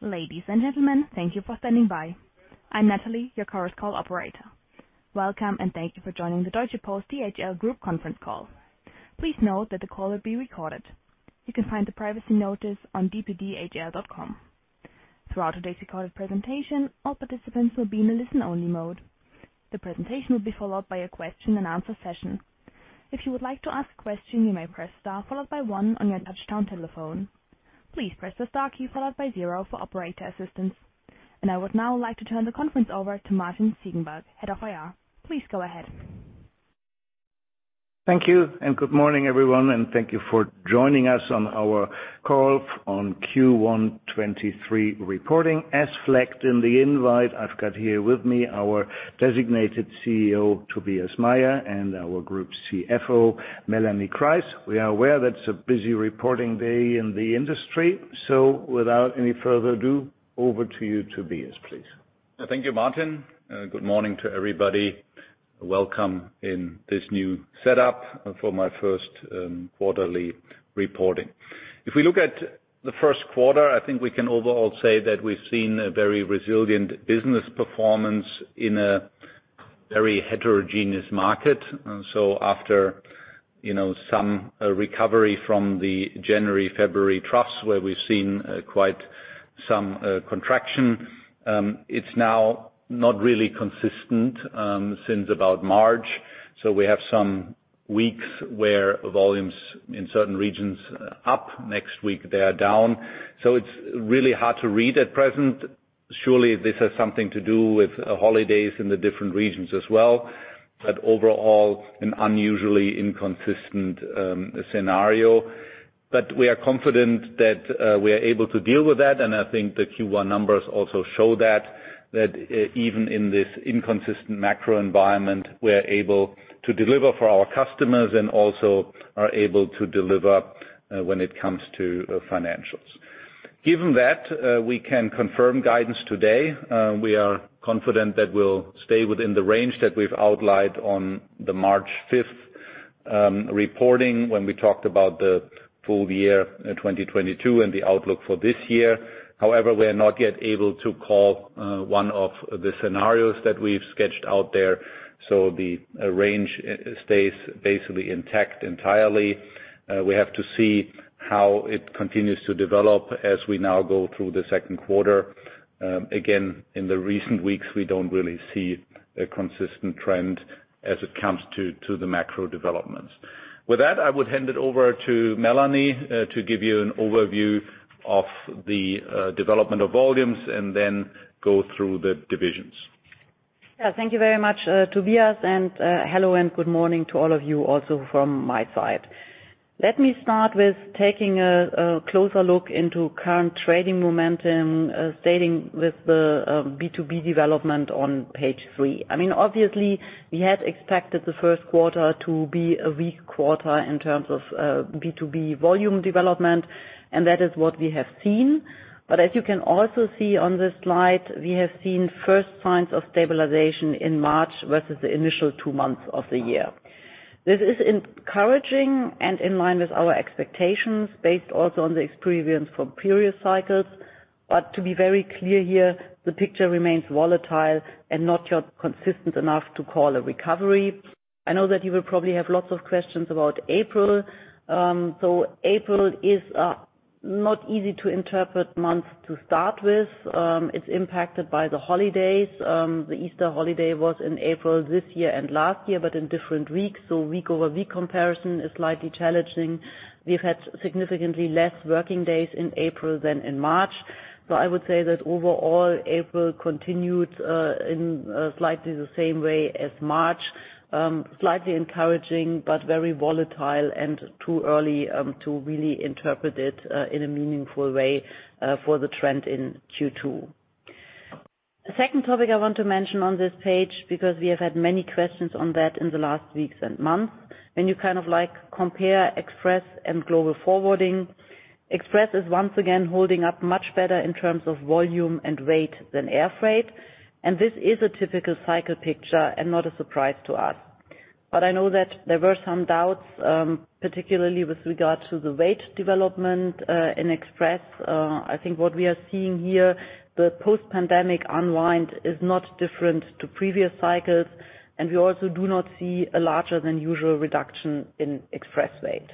Ladies and gentlemen, thank you for standing by. I'm Natalie, your conference call operator. Welcome. Thank you for joining the Deutsche Post DHL Group Conference Call. Please note that the call will be recorded. You can find the privacy notice on dpdhl.com. Throughout today's recorded presentation, all participants will be in a listen-only mode. The presentation will be followed by a question-and-answer session. If you would like to ask a question, you may press star followed by one on your touchtone telephone. Please press the star key followed by zero for operator assistance. I would now like to turn the conference over to Martin Ziegenbalg, head of IR. Please go ahead. Thank you, good morning, everyone, and thank you for joining us on our call on Q1 2023 reporting. As flagged in the invite, I've got here with me our designated CEO, Tobias Meyer, and our Group CFO, Melanie Kreis. We are aware that it's a busy reporting day in the industry, so without any further ado, over to you, Tobias, please. Thank you, Martin. Good morning to everybody. Welcome in this new setup for my first quarterly reporting. If we look at the first quarter, I think we can overall say that we've seen a very resilient business performance in a very heterogeneous market. After, you know, some recovery from the January, February troughs, where we've seen quite some contraction, it's now not really consistent since about March. We have some weeks where volumes in certain regions up, next week, they are down. It's really hard to read at present. Surely, this has something to do with holidays in the different regions as well. Overall, an unusually inconsistent scenario. We are confident that we are able to deal with that, and I think the Q1 numbers also show that even in this inconsistent macro environment, we're able to deliver for our customers and also are able to deliver when it comes to financials. Given that we can confirm guidance today, we are confident that we'll stay within the range that we've outlined on the March 5 reporting when we talked about the full-year 2022 and the outlook for this year. We are not yet able to call one of the scenarios that we've sketched out there, so the range stays basically intact entirely. We have to see how it continues to develop as we now go through the second quarter. Again, in the recent weeks, we don't really see a consistent trend as it comes to the macro developments. With that, I would hand it over to Melanie, to give you an overview of the development of volumes and then go through the divisions. Yeah. Thank you very much, Tobias, and hello and good morning to all of you also from my side. Let me start with taking a closer look into current trading momentum, starting with the B2B development on page three. I mean, obviously, we had expected the first quarter to be a weak quarter in terms of B2B volume development, and that is what we have seen. As you can also see on this slide, we have seen first signs of stabilization in March versus the initial two months of the year. This is encouraging and in line with our expectations based also on the experience from previous cycles. To be very clear here, the picture remains volatile and not yet consistent enough to call a recovery. I know that you will probably have lots of questions about April. April is not easy to interpret month to start with. It's impacted by the holidays. The Easter holiday was in April this year and last year but in different weeks, week-over-week comparison is slightly challenging. We've had significantly less working days in April than in March. I would say that overall, April continued in slightly the same way as March. Slightly encouraging but very volatile and too early to really interpret it in a meaningful way for the trend in Q2. The second topic I want to mention on this page because we have had many questions on that in the last weeks and months, when you compare DHL Express and DHL Global Forwarding. Express is once again holding up much better in terms of volume and weight than air freight. This is a typical cycle picture and not a surprise to us. I know that there were some doubts, particularly with regard to the weight development in Express. I think what we are seeing here, the post-pandemic unwind is not different to previous cycles. We also do not see a larger than usual reduction in Express weight.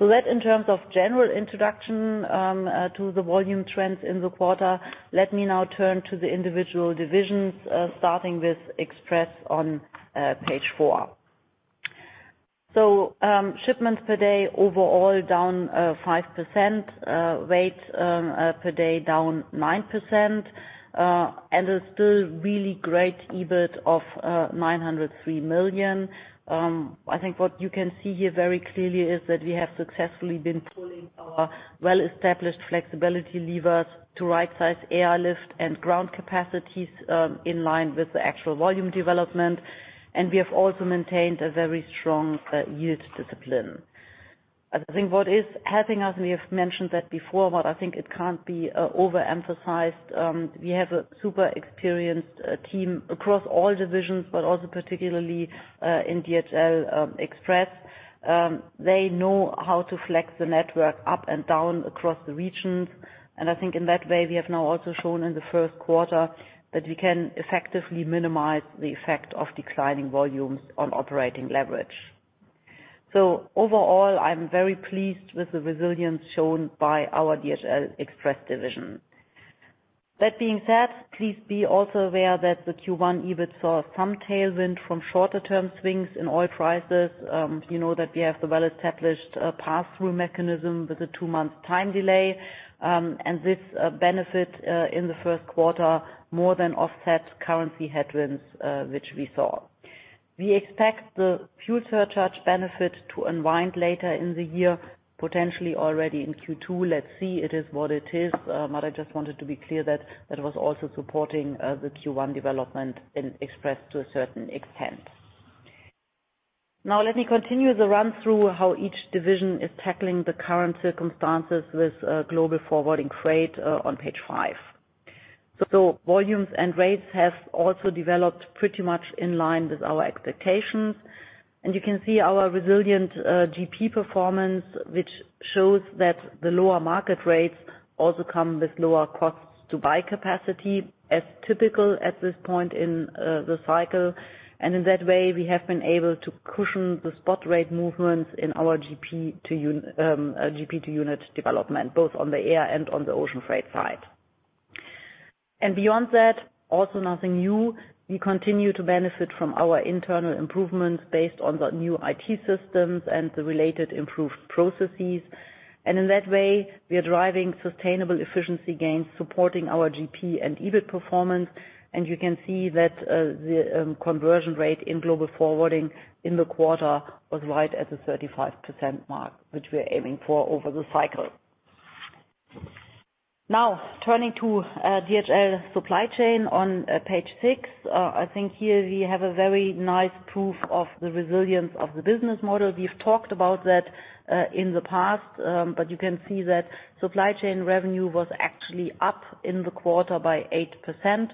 That in terms of general introduction to the volume trends in the quarter, let me now turn to the individual divisions, starting with Express on page four. Shipments per day overall down 5%, weight per day down 9%, and a still really great EBIT of 903 million. I think what you can see here very clearly is that we have successfully been pulling our well-established flexibility levers to right-size air lift and ground capacities, in line with the actual volume development, and we have also maintained a very strong yield discipline. I think what is helping us, and we have mentioned that before, but I think it can't be overemphasized, we have a super experienced team across all divisions, but also particularly in DHL Express. They know how to flex the network up and down across the regions. I think in that way, we have now also shown in the first quarter that we can effectively minimize the effect of declining volumes on operating leverage. Overall, I'm very pleased with the resilience shown by our DHL Express division. That being said, please be also aware that the Q1 EBIT saw some tailwind from shorter-term swings in oil prices. you know that we have the well-established pass-through mechanism with a two-month time delay. This benefit in the first quarter more than offset currency headwinds which we saw. We expect the fuel surcharge benefit to unwind later in the year, potentially already in Q2. Let's see. It is what it is. I just wanted to be clear that that was also supporting the Q1 development in Express to a certain extent. Now let me continue the run through how each division is tackling the current circumstances with Global Forwarding, Freight on page five. Volumes and rates have also developed pretty much in line with our expectations. You can see our resilient GP performance, which shows that the lower market rates also come with lower costs to buy capacity, as typical at this point in the cycle. In that way, we have been able to cushion the spot rate movements in our GP to unit development, both on the air and on the ocean freight side. Beyond that, also nothing new. We continue to benefit from our internal improvements based on the new IT systems and the related improved processes. In that way, we are driving sustainable efficiency gains, supporting our GP and EBIT performance. You can see that the conversion rate in Global Forwarding in the quarter was right at the 35% mark, which we're aiming for over the cycle. Now turning to DHL Supply Chain on page six. I think here we have a very nice proof of the resilience of the business model. We've talked about that in the past. You can see that Supply Chain revenue was actually up in the quarter by 8%.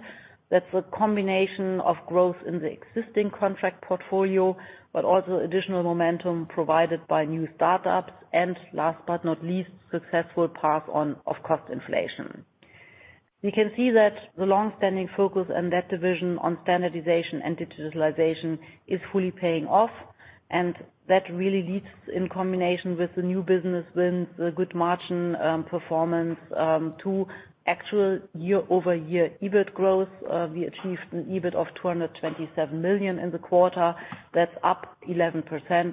That's a combination of growth in the existing contract portfolio, but also additional momentum provided by new startups, and last but not least, successful pass on of cost inflation. We can see that the long-standing focus in that division on standardization and digitalization is fully paying off, and that really leads, in combination with the new business wins, the good margin, performance, to actual year-over-year EBIT growth. We achieved an EBIT of 227 million in the quarter. That's up 11%.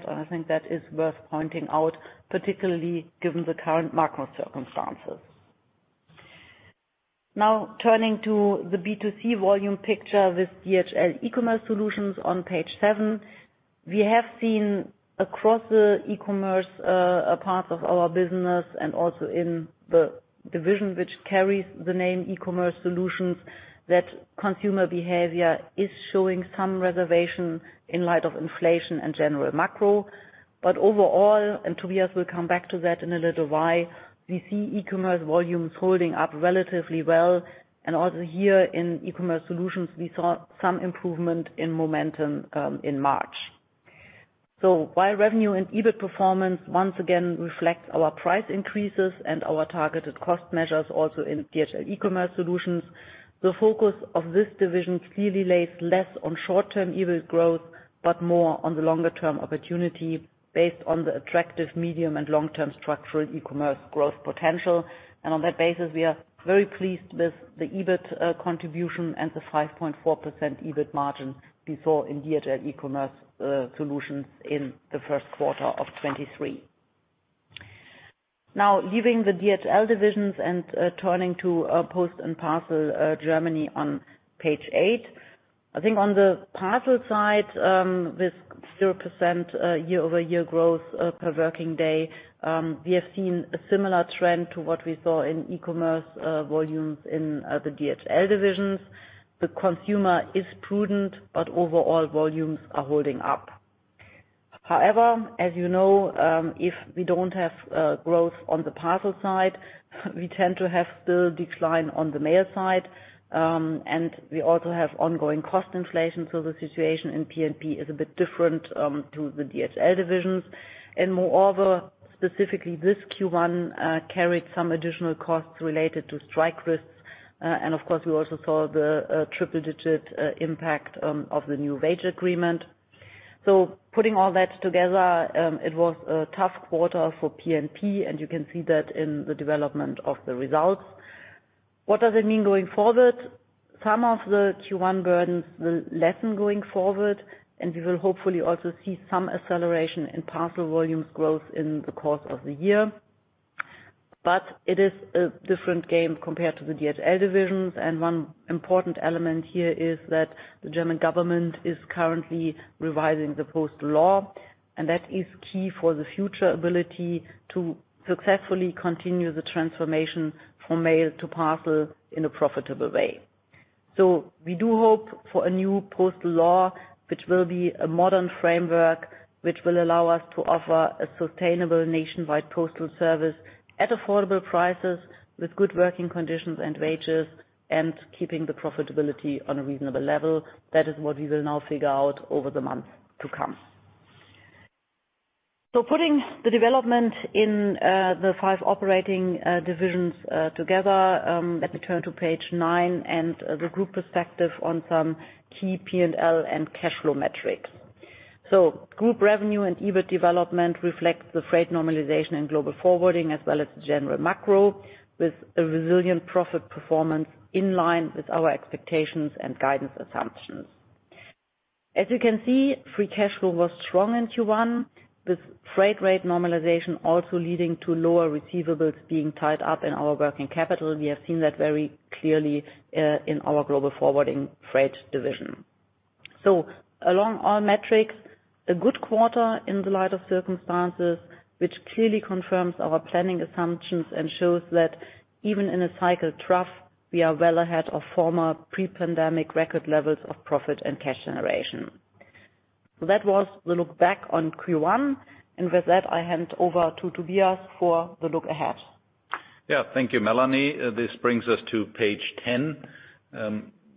I think that is worth pointing out, particularly given the current macro circumstances. Now turning to the B2C volume picture with DHL eCommerce Solutions on page seven. We have seen across the eCommerce part of our business and also in the division which carries the name eCommerce Solutions, that consumer behavior is showing some reservation in light of inflation and general macro. Overall, and Tobias will come back to that in a little while, we see eCommerce volumes holding up relatively well. Also here in eCommerce Solutions, we saw some improvement in momentum in March. While revenue and EBIT performance once again reflects our price increases and our targeted cost measures also in DHL eCommerce Solutions, the focus of this division clearly lays less on short-term EBIT growth, but more on the longer-term opportunity based on the attractive medium- and long-term structural eCommerce growth potential. On that basis, we are very pleased with the EBIT contribution and the 5.4% EBIT margin we saw in DHL eCommerce Solutions in the first quarter of 2023. Now leaving the DHL divisions and turning to Post & Parcel Germany on page eight. I think on the Parcel side, with 0% year-over-year growth per working day, we have seen a similar trend to what we saw in eCommerce volumes in the DHL divisions. The consumer is prudent, but overall volumes are holding up. However, as you know, if we don't have growth on the parcel side, we tend to have the decline on the mail side. We also have ongoing cost inflation, so the situation in P&P is a bit different to the DHL divisions. Specifically, this Q1 carried some additional costs related to strike risks. We also saw the triple digit impact of the new wage agreement. Putting all that together, it was a tough quarter for P&P, and you can see that in the development of the results. What does it mean going forward? Some of the Q1 burdens will lessen going forward, and we will hopefully also see some acceleration in parcel volumes growth in the course of the year. It is a different game compared to the DHL divisions, and one important element here is that the German government is currently revising the postal law, and that is key for the future ability to successfully continue the transformation from mail to parcel in a profitable way. We do hope for a new postal law, which will be a modern framework, which will allow us to offer a sustainable nationwide postal service at affordable prices with good working conditions and wages, and keeping the profitability on a reasonable level. That is what we will now figure out over the months to come. Putting the development in the five operating divisions together, let me turn to page nine and the group perspective on some key P&L and cash flow metrics. Group revenue and EBIT development reflects the freight normalization in Global Forwarding as well as general macro with a resilient profit performance in line with our expectations and guidance assumptions. As you can see, free cash flow was strong in Q1, with freight rate normalization also leading to lower receivables being tied up in our working capital. We have seen that very clearly, in our Global Forwarding, Freight division. Along all metrics, a good quarter in the light of circumstances, which clearly confirms our planning assumptions and shows that even in a cycle trough, we are well ahead of former pre-pandemic record levels of profit and cash generation. That was the look back on Q1. With that, I hand over to Tobias for the look ahead. Yeah. Thank you, Melanie. This brings us to page 10.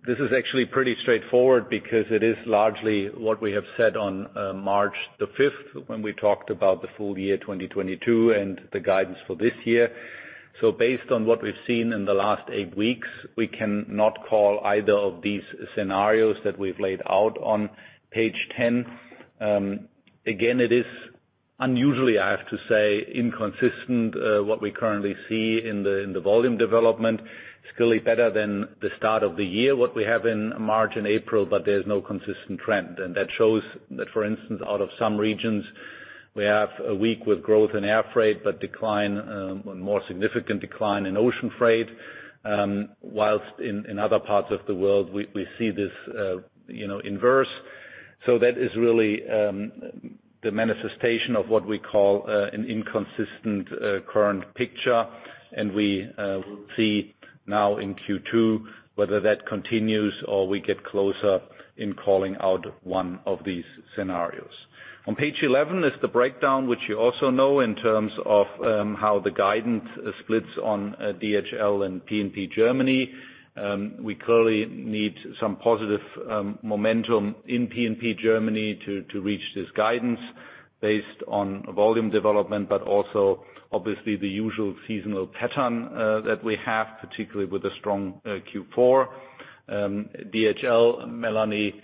This is actually pretty straightforward because it is largely what we have said on March 5th when we talked about the full year 2022 and the guidance for this year. Based on what we've seen in the last eight weeks, we cannot call either of these scenarios that we've laid out on page 10. Again, it is unusually, I have to say, inconsistent, what we currently see in the volume development. It's clearly better than the start of the year, what we have in March and April. There's no consistent trend. That shows that, for instance, out of some regions, we have a week with growth in air freight but decline, more significant decline in ocean freight. Whilst in other parts of the world, we see this, you know, inverse. That is really the manifestation of what we call an inconsistent current picture. We will see now in Q2 whether that continues or we get closer in calling out one of these scenarios. On page 11 is the breakdown, which you also know in terms of how the guidance splits on DHL and P&P Germany. We clearly need some positive momentum in P&P Germany to reach this guidance based on volume development, but also obviously the usual seasonal pattern that we have, particularly with a strong Q4. DHL, Melanie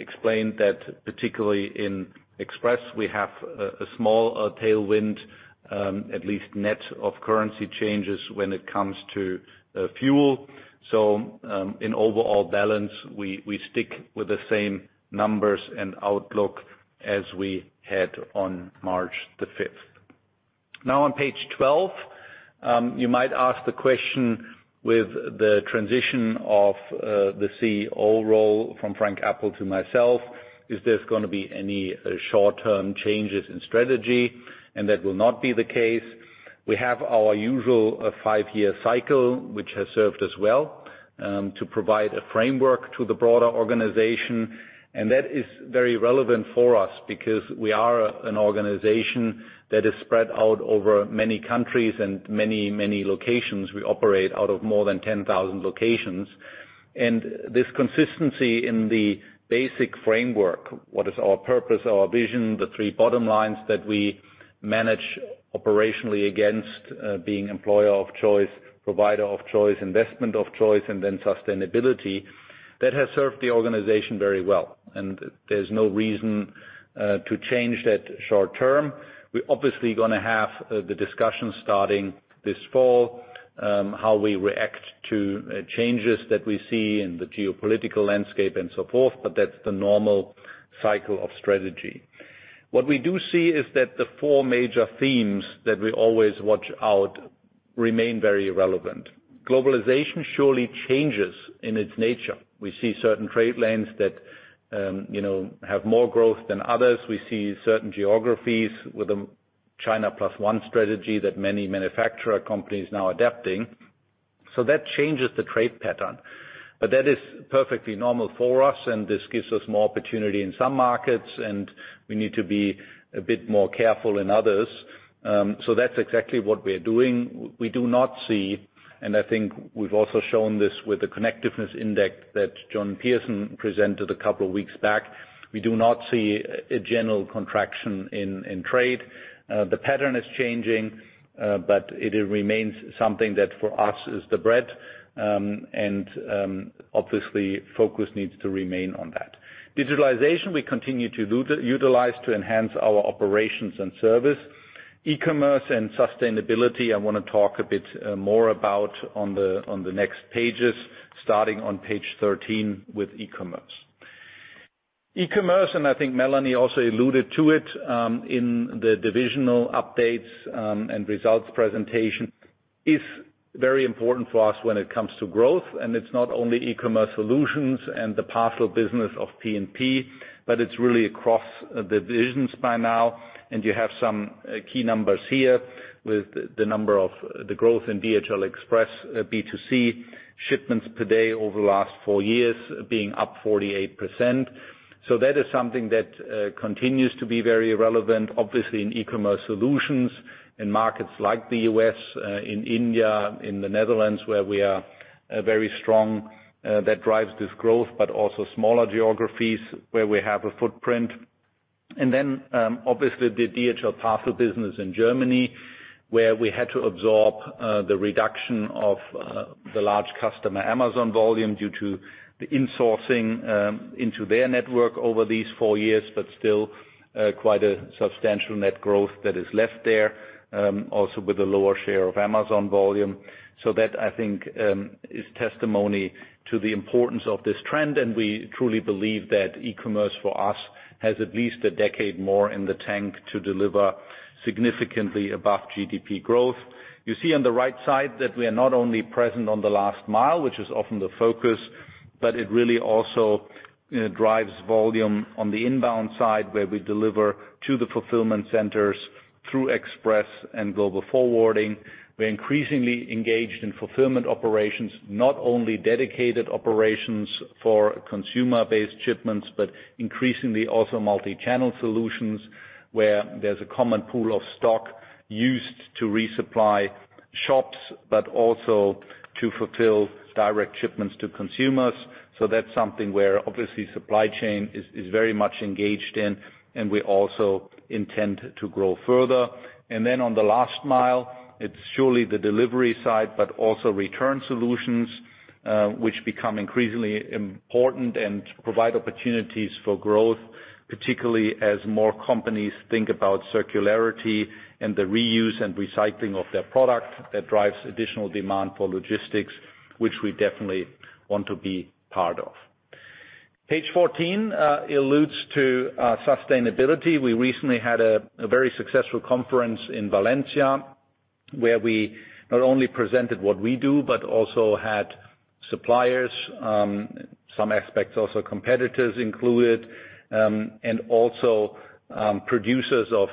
explained that particularly in Express, we have a small tailwind, at least net of currency changes when it comes to fuel. In overall balance, we stick with the same numbers and outlook as we had on March the 5th. On page 12, you might ask the question with the transition of the CEO role from Frank Appel to myself, is this gonna be any short-term changes in strategy? That will not be the case. We have our usual five-year cycle, which has served us well to provide a framework to the broader organization. That is very relevant for us because we are an organization that is spread out over many countries and many locations. We operate out of more than 10,000 locations. This consistency in the basic framework, what is our purpose, our vision, the three bottom lines that we manage operationally against, being employer of choice, provider of choice, investment of choice, and then sustainability, that has served the organization very well. There's no reason to change that short term. We're obviously going to have the discussion starting this fall, how we react to changes that we see in the geopolitical landscape and so forth, but that's the normal cycle of strategy. What we do see is that the four major themes that we always watch out remain very relevant. Globalization surely changes in its nature. We see certain trade lanes that, you know, have more growth than others. We see certain geographies with a China Plus One strategy that many manufacturer companies now adapting. That changes the trade pattern. That is perfectly normal for us, and this gives us more opportunity in some markets, and we need to be a bit more careful in others. That's exactly what we're doing. We do not see, and I think we've also shown this with the Global Connectedness Index that John Pearson presented a couple of weeks back. We do not see a general contraction in trade. The pattern is changing, but it remains something that for us is the bread. Obviously, focus needs to remain on that. Digitalization, we continue to utilize to enhance our operations and service. eCommerce and sustainability, I wanna talk a bit more about on the, on the next pages, starting on page 13 with eCommerce. eCommerce, I think Melanie also alluded to it, in the divisional updates, and results presentation, is very important for us when it comes to growth. It's not only eCommerce Solutions and the Parcel business of P&P, but it's really across the divisions by now. You have some key numbers here with the number of the growth in DHL Express, B2C shipments per day over the last four years being up 48%. That is something that continues to be very relevant, obviously in eCommerce Solutions in markets like the U.S., in India, in the Netherlands, where we are very strong. That drives this growth, but also smaller geographies where we have a footprint. Then, obviously the DHL eCommerce Solutions business in Germany, where we had to absorb the reduction of the large customer Amazon volume due to the insourcing into their network over these four years. Still, quite a substantial net growth that is left there, also with a lower share of Amazon volume. That I think is testimony to the importance of this trend, and we truly believe that e-commerce for us has at least a decade more in the tank to deliver significantly above GDP growth. You see on the right side that we are not only present on the last mile, which is often the focus, but it really also, you know, drives volume on the inbound side where we deliver to the fulfillment centers through Express and Global Forwarding. We're increasingly engaged in fulfillment operations, not only dedicated operations for consumer-based shipments, but increasingly also multi-channel solutions, where there's a common pool of stock used to resupply shops, but also to fulfill direct shipments to consumers. That's something where obviously supply chain is very much engaged in, and we also intend to grow further. On the last mile, it's surely the delivery side, but also return solutions, which become increasingly important and provide opportunities for growth, particularly as more companies think about circularity and the reuse and recycling of their product. That drives additional demand for logistics, which we definitely want to be part of. Page 14 alludes to sustainability. We recently had a very successful conference in Valencia, where we not only presented what we do, but also had suppliers, some aspects also competitors included, and also producers of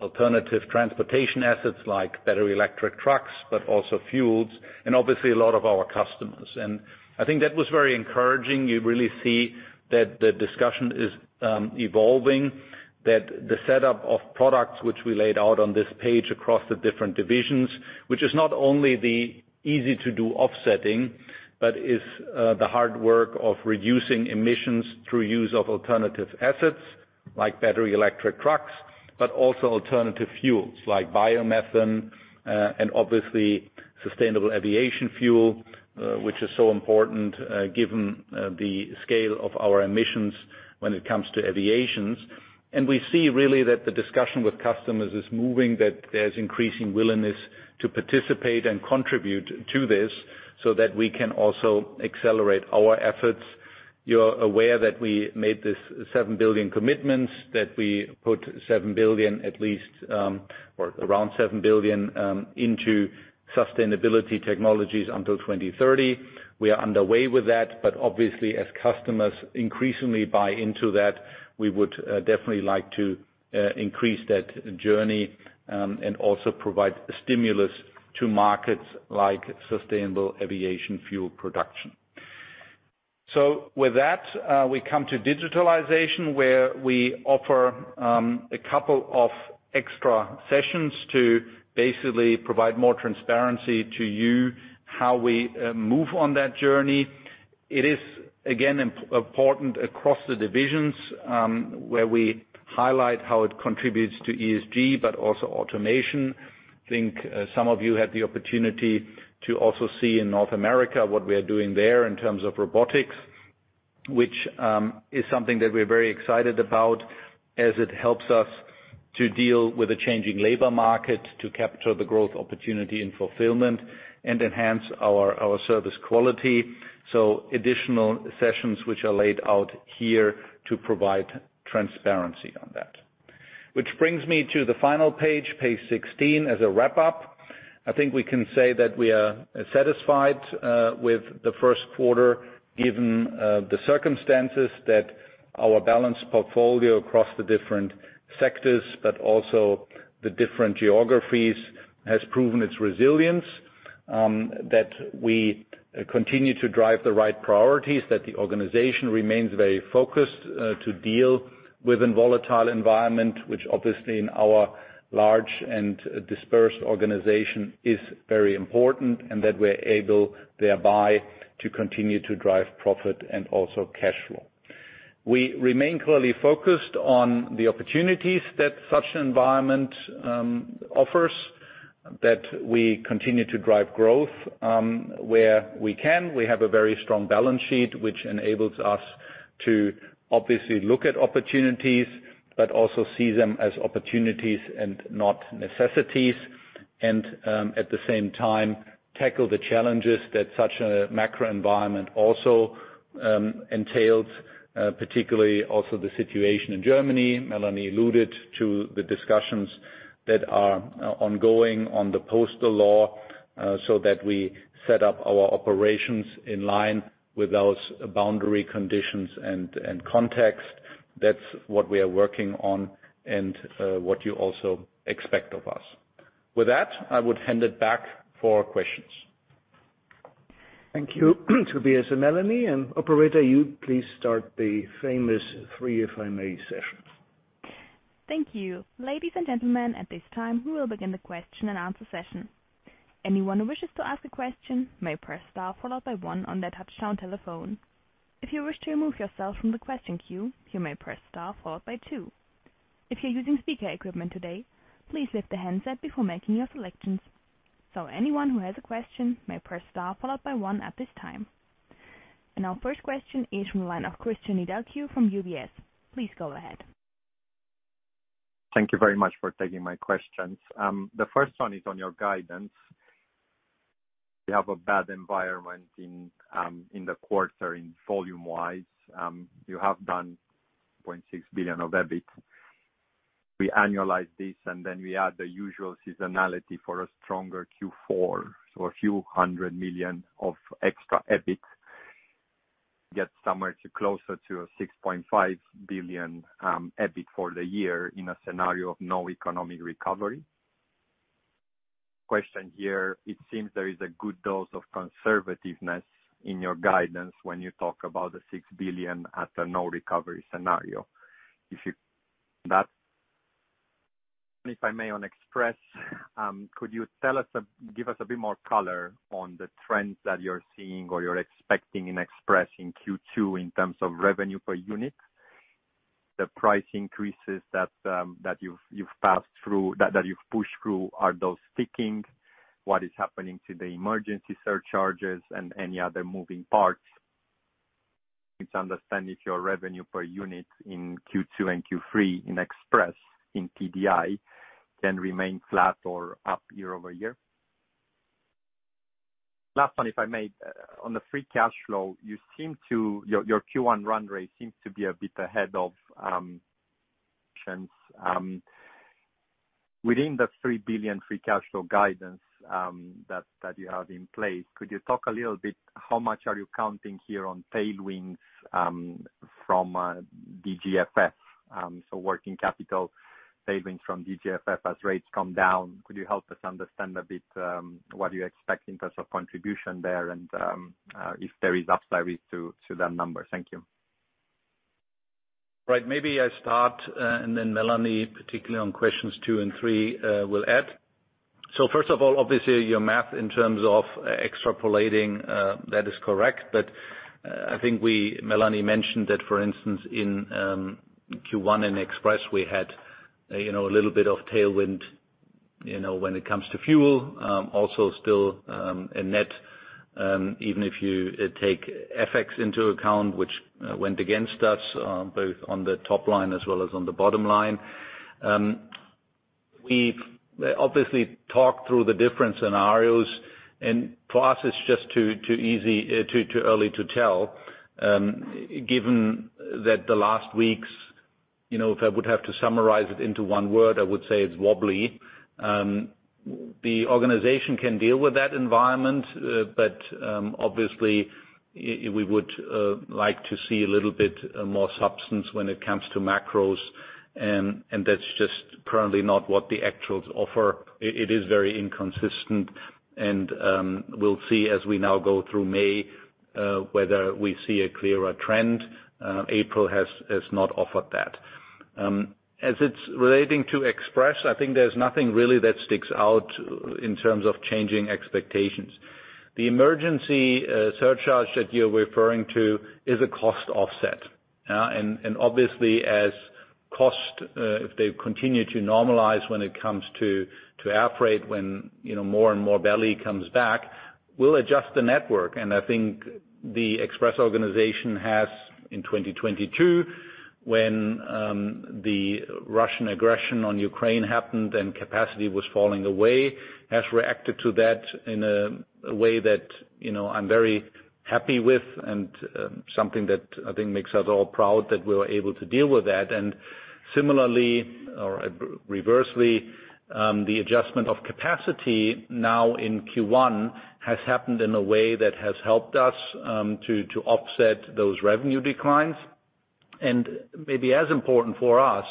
alternative transportation assets like battery electric trucks, but also fuels, and obviously a lot of our customers. I think that was very encouraging. You really see that the discussion is evolving, that the setup of products which we laid out on this page across the different divisions, which is not only the easy to do offsetting, but is the hard work of reducing emissions through use of alternative assets like battery electric trucks. Also alternative fuels like biomethane and obviously sustainable aviation fuel, which is so important given the scale of our emissions when it comes to aviation. We see really that the discussion with customers is moving, that there's increasing willingness to participate and contribute to this so that we can also accelerate our efforts. You're aware that we made this 7 billion commitments, that we put 7 billion at least, or around 7 billion, into sustainability technologies until 2030. We are underway with that, but obviously as customers increasingly buy into that, we would definitely like to increase that journey and also provide stimulus to markets like sustainable aviation fuel production. With that, we come to digitalization, where we offer a couple of extra sessions to basically provide more transparency to you how we move on that journey. It is again important across the divisions, where we highlight how it contributes to ESG, but also automation. Think, some of you had the opportunity to also see in North America what we are doing there in terms of robotics, which is something that we're very excited about as it helps us to deal with the changing labor market, to capture the growth opportunity and fulfillment and enhance our service quality. Additional sessions which are laid out here to provide transparency on that. Which brings me to the final page 16, as a wrap-up. I think we can say that we are satisfied with the first quarter, given the circumstances that our balanced portfolio across the different sectors, but also the different geographies, has proven its resilience. That we continue to drive the right priorities, that the organization remains very focused to deal within volatile environment, which obviously in our large and dispersed organization is very important, and that we're able thereby to continue to drive profit and also cash flow. We remain clearly focused on the opportunities that such environment offers, that we continue to drive growth where we can. We have a very strong balance sheet, which enables us to obviously look at opportunities, but also see them as opportunities and not necessities. At the same time, tackle the challenges that such a macro environment also entails, particularly also the situation in Germany. Melanie alluded to the discussions that are ongoing on the postal law, so that we set up our operations in line with those boundary conditions and context. That's what we are working on and what you also expect of us. With that, I would hand it back for questions. Thank you, Tobias and Melanie. Operator, you please start the famous 3 if I may session. Thank you. Ladies and gentlemen, at this time, we will begin the question-and-answer session. Anyone who wishes to ask a question may press star followed by one on their touchtone telephone. If you wish to remove yourself from the question queue, you may press star followed by two. If you're using speaker equipment today, please lift the handset before making your selections. Anyone who has a question may press star followed by one at this time. Our first question is from the line of Cristian Nedelcu from UBS. Please go ahead. Thank you very much for taking my questions. The first one is on your guidance. You have a bad environment in the quarter in volume-wise. You have done 0.6 billion of EBIT. We annualize this, and then we add the usual seasonality for a stronger Q4. A few hundred million of extra EBIT get somewhere to closer to 6.5 billion EBIT for the year in a scenario of no economic recovery. Question here, it seems there is a good dose of conservativeness in your guidance when you talk about the 6 billion at a no recovery scenario. If I may on express, could you give us a bit more color on the trends that you're seeing or you're expecting in express in Q2 in terms of revenue per unit? The price increases that you've pushed through, are those sticking? What is happening to the emergency surcharges and any other moving parts to understand if your revenue per unit in Q2 and Q3 in express, in TDI, can remain flat or up year-over-year. Last one, if I may. On the free cash flow, your Q1 run rate seems to be a bit ahead of since within the 3 billion free cash flow guidance that you have in place. Could you talk a little bit how much are you counting here on tailwinds from DGFF? Working capital savings from DGFF as rates come down. Could you help us understand a bit, what you expect in terms of contribution there and, if there is upside risk to that number? Thank you. Right. Maybe I start, and then Melanie, particularly on questions two and three, will add. First of all, obviously your math in terms of extrapolating, that is correct. I think Melanie mentioned that, for instance, in Q1 in Express, we had, you know, a little bit of tailwind, you know, when it comes to fuel, also still a net, even if you take FX into account, which went against us, both on the top line as well as on the bottom line. We've obviously talked through the different scenarios, and for us it's just too early to tell, given that the last weeks, you know, if I would have to summarize it into one word, I would say it's wobbly. The organization can deal with that environment, but obviously, we would like to see a little bit more substance when it comes to macros and that's just currently not what the actuals offer. It is very inconsistent and we'll see as we now go through May whether we see a clearer trend. April has not offered that. As it's relating to Express, I think there's nothing really that sticks out in terms of changing expectations. The emergency surcharge that you're referring to is a cost offset. And obviously as cost, if they continue to normalize when it comes to air freight, when you know more and more belly comes back, we'll adjust the network. I think the Express organization has in 2022, when the Russian aggression on Ukraine happened and capacity was falling away, has reacted to that in a way that, you know, I'm very happy with and something that I think makes us all proud that we were able to deal with that. Similarly or reversely, the adjustment of capacity now in Q1 has happened in a way that has helped us to offset those revenue declines. Maybe as important for us,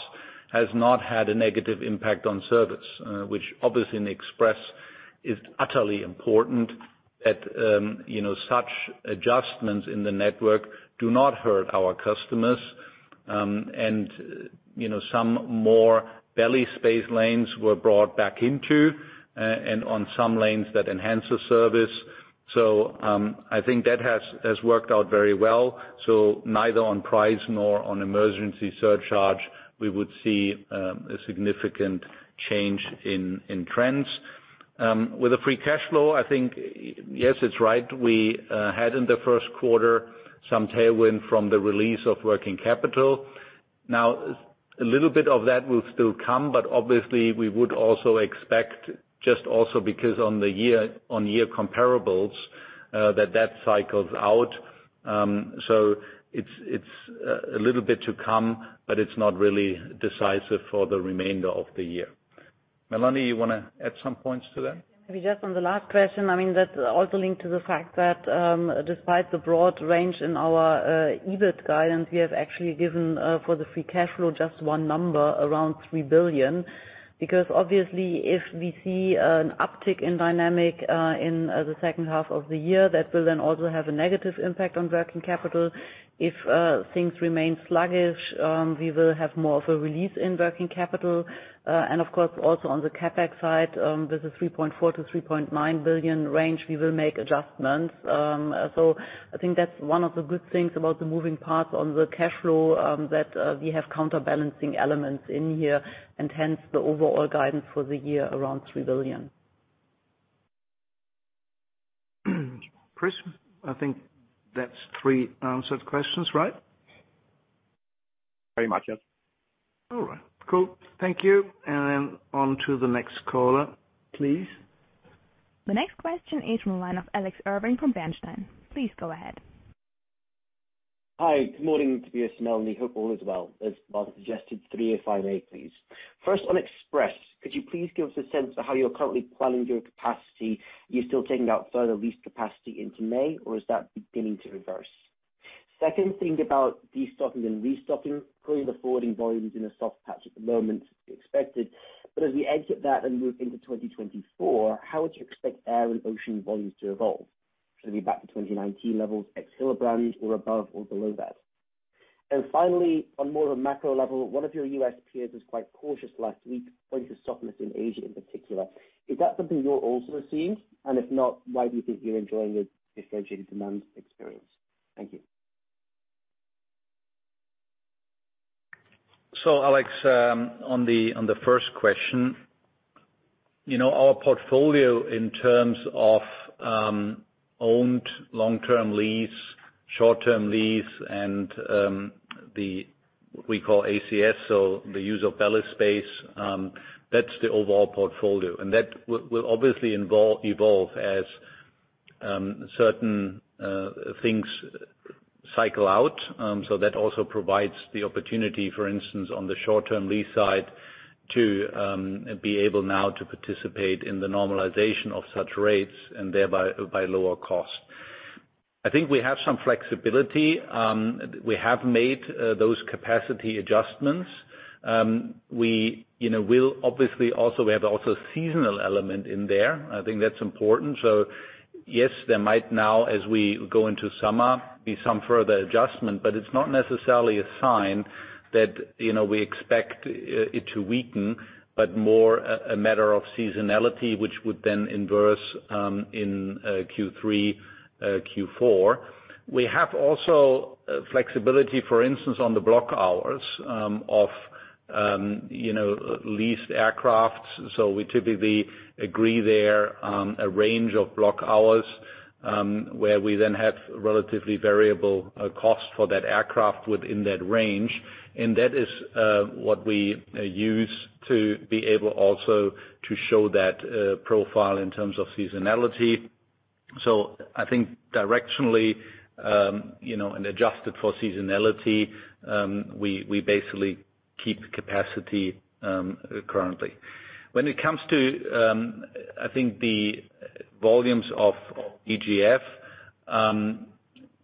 has not had a negative impact on service, which obviously in Express is utterly important at, you know, such adjustments in the network do not hurt our customers. And, you know, some more belly space lanes were brought back into and on some lanes that enhance the service. I think that has worked out very well. Neither on price nor on emergency surcharge we would see a significant change in trends. With the free cash flow, I think, yes, it's right. We had in the first quarter some tailwind from the release of working capital. Now, a little bit of that will still come, but obviously we would also expect just also because on the year-on-year comparables, that cycles out. It's a little bit to come, but it's not really decisive for the remainder of the year. Melanie, you wanna add some points to that? Maybe just on the last question. I mean, that also linked to the fact that, despite the broad range in our EBIT guidance, we have actually given, for the free cash flow, just one number around 3 billion. Because obviously if we see an uptick in dynamic, in the second half of the year, that will then also have a negative impact on working capital. If things remain sluggish, we will have more of a release in working capital. Of course, also on the CapEx side, with the 3.4 billion-3.9 billion range, we will make adjustments. I think that's one of the good things about the moving parts on the cash flow, that we have counterbalancing elements in here, and hence the overall guidance for the year around 3 billion. Cristian, I think that's three answered questions, right? Very much, yes. All right. Cool. Thank you. On to the next caller, please. The next question is from the line of Alex Irving from Bernstein. Please go ahead. Hi, good morning, Tobias and Melanie. Hope all is well. As Mark suggested, 3 if I may, please. First, on Express, could you please give us a sense of how you're currently planning your capacity? Are you still taking out further lease capacity into May, or is that beginning to reverse? Second thing about destocking and restocking. Clearly, the forwarding volume is in a soft patch at the moment, as expected. As we exit that and move into 2024, how would you expect air and ocean volumes to evolve? Should they be back to 2019 levels ex-Hillebrand or above or below that? Finally, on more of a macro level, one of your U.S. peers was quite cautious last week, pointing to softness in Asia in particular. Is that something you're also seeing? If not, why do you think you're enjoying a differentiated demand experience? Thank you. Alex, on the, on the first question. You know, our portfolio in terms of, owned long-term lease, short-term lease, and, what we call ACS, so the use of belly space, that's the overall portfolio. That will obviously evolve as, certain, things cycle out. That also provides the opportunity, for instance, on the short-term lease side, to, be able now to participate in the normalization of such rates and thereby, by lower cost. I think we have some flexibility. We have made, those capacity adjustments. We, you know, we have also seasonal element in there. I think that's important. Yes, there might now, as we go into summer, be some further adjustment, but it's not necessarily a sign that, you know, we expect it to weaken, but more a matter of seasonality, which would then inverse in Q3, Q4. We have also flexibility, for instance, on the block hours of, you know, leased aircrafts. We typically agree there a range of block hours where we then have relatively variable cost for that aircraft within that range. That is what we use to be able also to show that profile in terms of seasonality. I think directionally, you know, and adjusted for seasonality, we basically keep capacity currently. When it comes to, I think the volumes of GFF,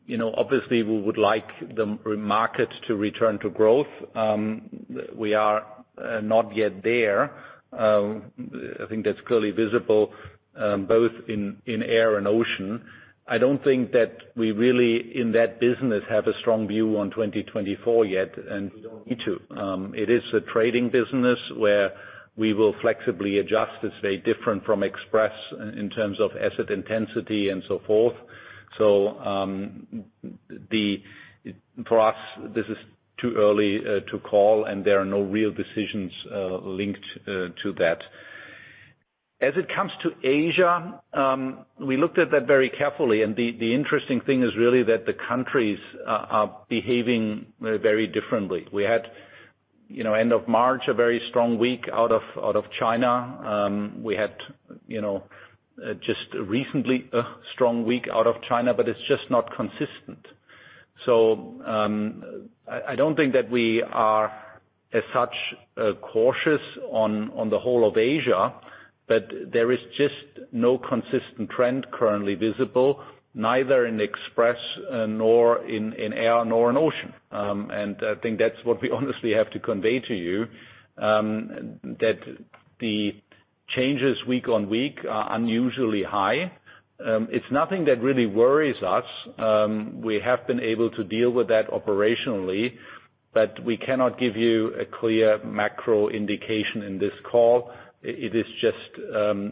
you know, obviously we would like the market to return to growth. We are not yet there. I think that's clearly visible, both in air and ocean. I don't think that we really, in that business, have a strong view on 2024 yet, and we don't need to. It is a trading business where we will flexibly adjust. It's very different from Express in terms of asset intensity and so forth. For us, this is too early to call, and there are no real decisions linked to that. As it comes to Asia, we looked at that very carefully, and the interesting thing is really that the countries are behaving very differently. We had, you know, end of March, a very strong week out of, out of China. We had, you know, just recently a strong week out of China, but it's just not consistent. I don't think that we are, as such, cautious on the whole of Asia, but there is just no consistent trend currently visible, neither in Express, nor in air, nor in ocean. I think that's what we honestly have to convey to you, that the changes week on week are unusually high. It's nothing that really worries us. We have been able to deal with that operationally, but we cannot give you a clear macro indication in this call. It is just,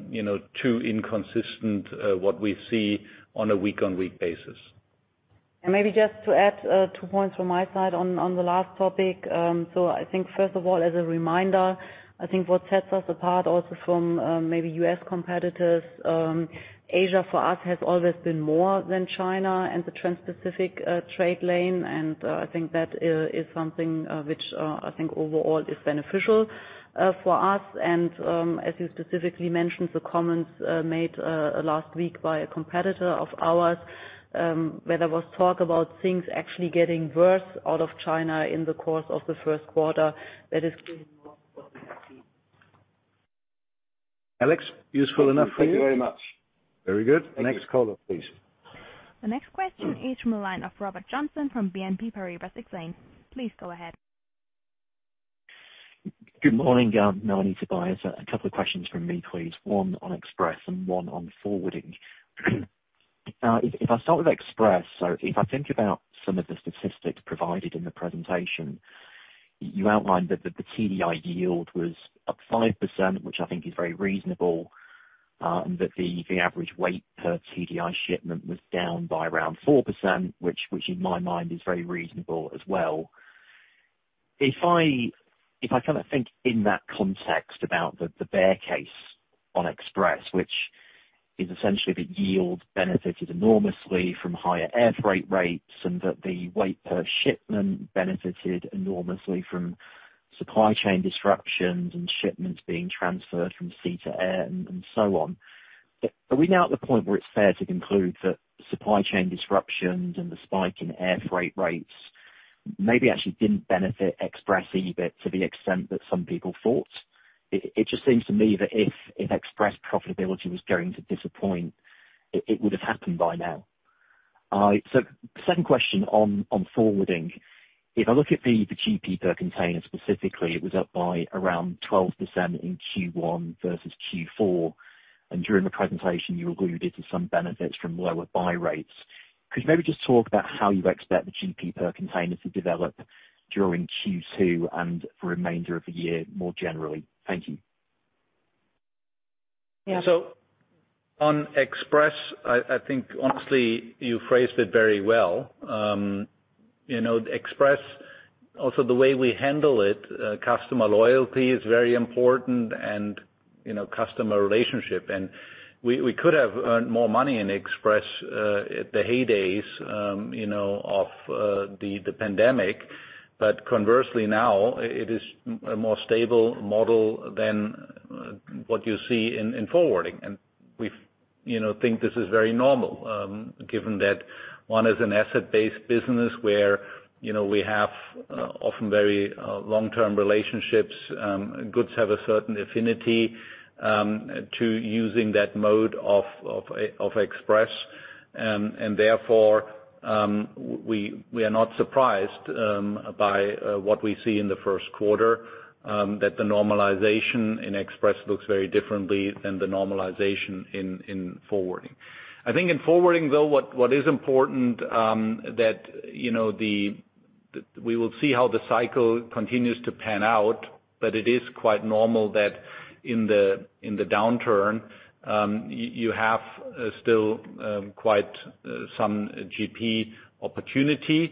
you know, too inconsistent, what we see on a week-on-week basis. Maybe just to add 2 points from my side on the last topic. I think first of all, as a reminder, I think what sets us apart also from maybe U.S. competitors, Asia for us has always been more than China and the Trans-Pacific trade lane. I think that is something which I think overall is beneficial for us. As you specifically mentioned, the comments made last week by a competitor of ours, where there was talk about things actually getting worse out of China in the course of the 1st quarter, that is clearly not. Alex, useful enough for you? Thank you very much. Very good. Next caller, please. The next question is from the line of Robert Joynson from BNP Paribas Exane. Please go ahead. Good morning, Melanie, Tobias. A couple of questions from me, please. One on express and one on forwarding. If I start with express, so if I think about some of the statistics provided in the presentation, you outlined that the TDI yield was up 5%, which I think is very reasonable, and that the average weight per TDI shipment was down by around 4%, which in my mind is very reasonable as well. If I kind of think in that context about the bear case on express, which is essentially the yield benefited enormously from higher air freight rates and that the weight per shipment benefited enormously from supply chain disruptions and shipments being transferred from sea to air and so on. Are we now at the point where it's fair to conclude that supply chain disruptions and the spike in air freight rates maybe actually didn't benefit express EBIT to the extent that some people thought? It just seems to me that if express profitability was going to disappoint, it would have happened by now. Second question on forwarding. If I look at the GP per container specifically, it was up by around 12% in Q1 versus Q4, and during the presentation you alluded to some benefits from lower buy rates. Could you maybe just talk about how you expect the GP per container to develop during Q2 and for remainder of the year more generally? Thank you. On express, I think honestly you phrased it very well. you know, express also the way we handle it, customer loyalty is very important and, you know, customer relationship. We could have earned more money in express at the heydays, you know, of the pandemic, but conversely now it is a more stable model than what you see in forwarding. We you know, think this is very normal, given that one is an asset-based business where, you know, we have often very long-term relationships. Goods have a certain affinity to using that mode of express. Therefore, we are not surprised by what we see in the first quarter, that the normalization in express looks very differently than the normalization in forwarding. I think in forwarding though, what is important, that, you know, we will see how the cycle continues to pan out, but it is quite normal that in the downturn, you have still quite some GP opportunity.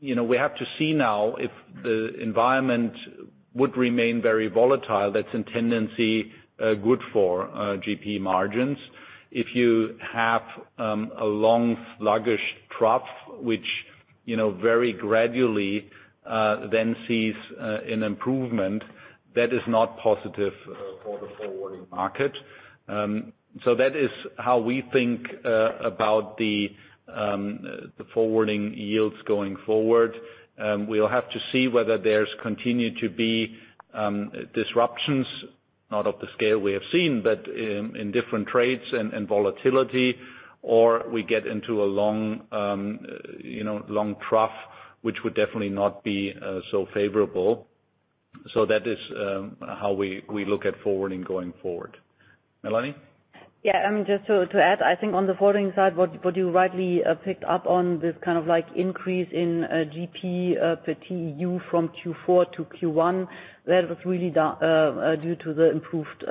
You know, we have to see now if the environment would remain very volatile. That's in tendency good for GP margins. If you have a long sluggish trough, which, you know, very gradually then sees an improvement, that is not positive for the forwarding market. That is how we think about the forwarding yields going forward. We'll have to see whether there's continued to be disruptions, not of the scale we have seen, but in different trades and volatility, or we get into a long, you know, long trough, which would definitely not be so favorable. That is how we look at forwarding going forward. Melanie? Just to add, I think on the forwarding side, what you rightly picked up on this kind of like increase in GP per TEU from Q4 to Q1, that was really due to the improved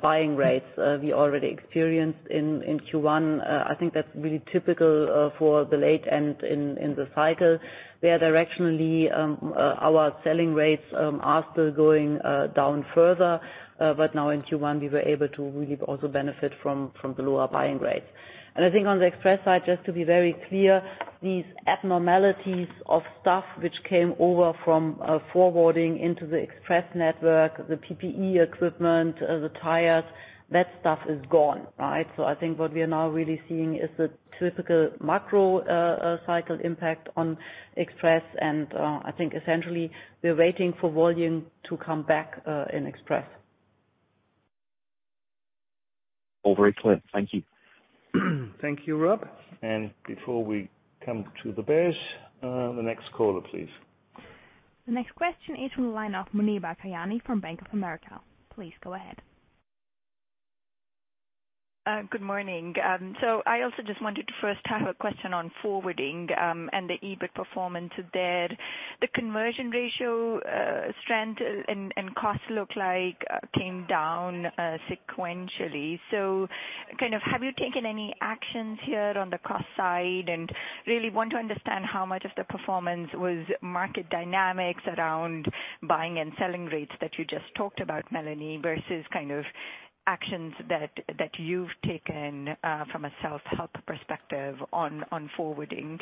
buying rates we already experienced in Q1. I think that's really typical for the late and in the cycle, where directionally our selling rates are still going down further. Now in Q1, we were able to really also benefit from the lower buying rates. I think on the Express side, just to be very clear, these abnormalities of stuff which came over from forwarding into the Express network, the PPE equipment, the tires, that stuff is gone, right? I think what we are now really seeing is the typical macro cycle impact on express and I think essentially we're waiting for volume to come back in express. All very clear. Thank you. Thank you, Rob. Before we come to the bears, the next caller, please. The next question is from the line of Muneeba Kayani from Bank of America. Please go ahead. Good morning. I also just wanted to first have a question on forwarding and the EBIT performance there. The conversion ratio, strength and costs look like came down sequentially. Kind of have you taken any actions here on the cost side? Really want to understand how much of the performance was market dynamics around buying and selling rates that you just talked about, Melanie, versus kind of actions that you've taken from a self-help perspective on forwarding.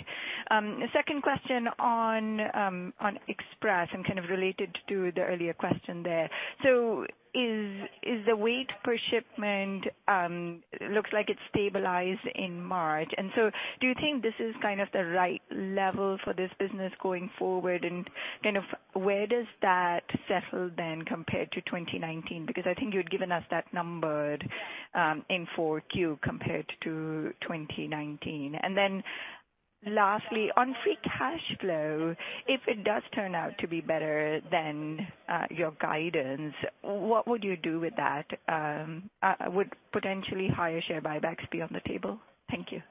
Second question on Express and kind of related to the earlier question there. Is the weight per shipment looks like it's stabilized in March, do you think this is kind of the right level for this business going forward? Kind of where does that settle then compared to 2019? Because I think you had given us that number in 4Q compared to 2019. Lastly, on free cash flow, if it does turn out to be better than your guidance, what would you do with that? Would potentially higher share buybacks be on the table? Thank you.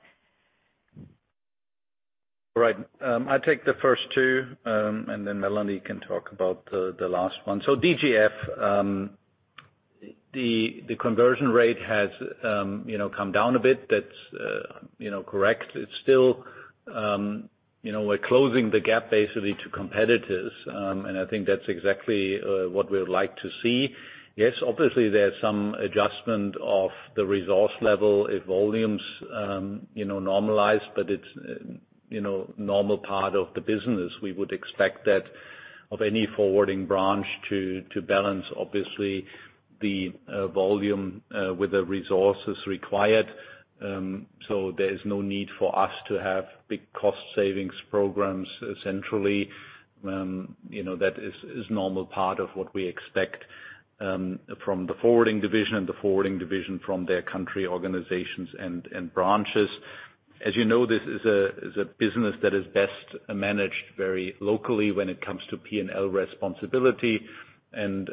Right. I'll take the first two, and then Melanie can talk about the last one. DGF, the conversion rate has, you know, come down a bit. That's, you know, correct. It's still, you know, we're closing the gap basically to competitors, and I think that's exactly what we would like to see. Yes, obviously there's some adjustment of the resource level if volumes, you know, normalize, but it's, you know, normal part of the business. We would expect that of any forwarding branch to balance, obviously, the, volume, with the resources required. There's no need for us to have big cost savings programs centrally. That is normal part of what we expect from the forwarding division and the forwarding division from their country organizations and branches. As you know, this is a business that is best managed very locally when it comes to P&L responsibility and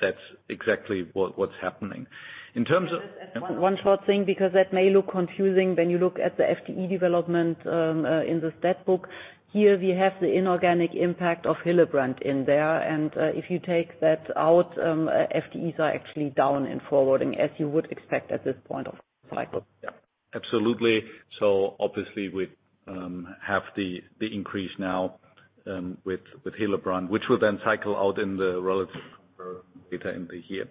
that's exactly what's happening. One short thing, because that may look confusing when you look at the FTE development in the stat book. Here, we have the inorganic impact of Hillebrand in there, and if you take that out, FTEs are actually down in forwarding, as you would expect at this point of the cycle. Absolutely. Obviously, we have the increase now with Hillebrand, which will then cycle out in the relative data in the year.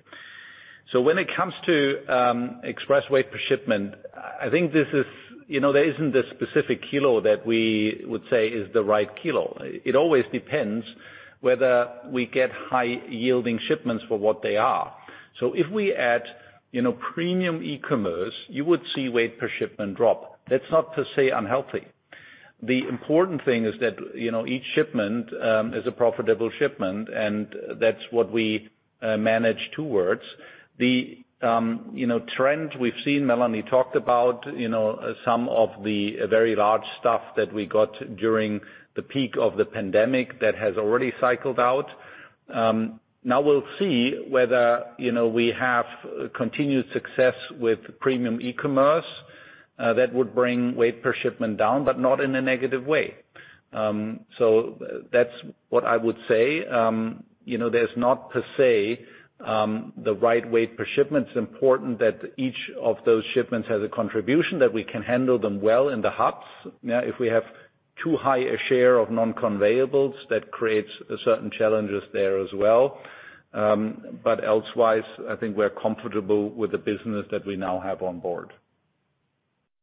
When it comes to express weight per shipment, I think this is, you know, there isn't one specific kilo that we would say is the right kilo. It always depends whether we get high-yielding shipments for what they are. If we add, you know, premium e-commerce, you would see weight per shipment drop. That's not to say unhealthy. The important thing is that, you know, each shipment is a profitable shipment, and that's what we manage towards. The, you know, trend we've seen, Melanie talked about, you know, some of the very large stuff that we got during the peak of the pandemic that has already cycled out. Now we'll see whether, you know, we have continued success with premium e-commerce, that would bring weight per shipment down, but not in a negative way. That's what I would say. You know, there's not to say the right weight per shipment. It's important that each of those shipments has a contribution, that we can handle them well in the hubs. If we have too high a share of non-conveyables, that creates certain challenges there as well. Elsewise, I think we're comfortable with the business that we now have on board.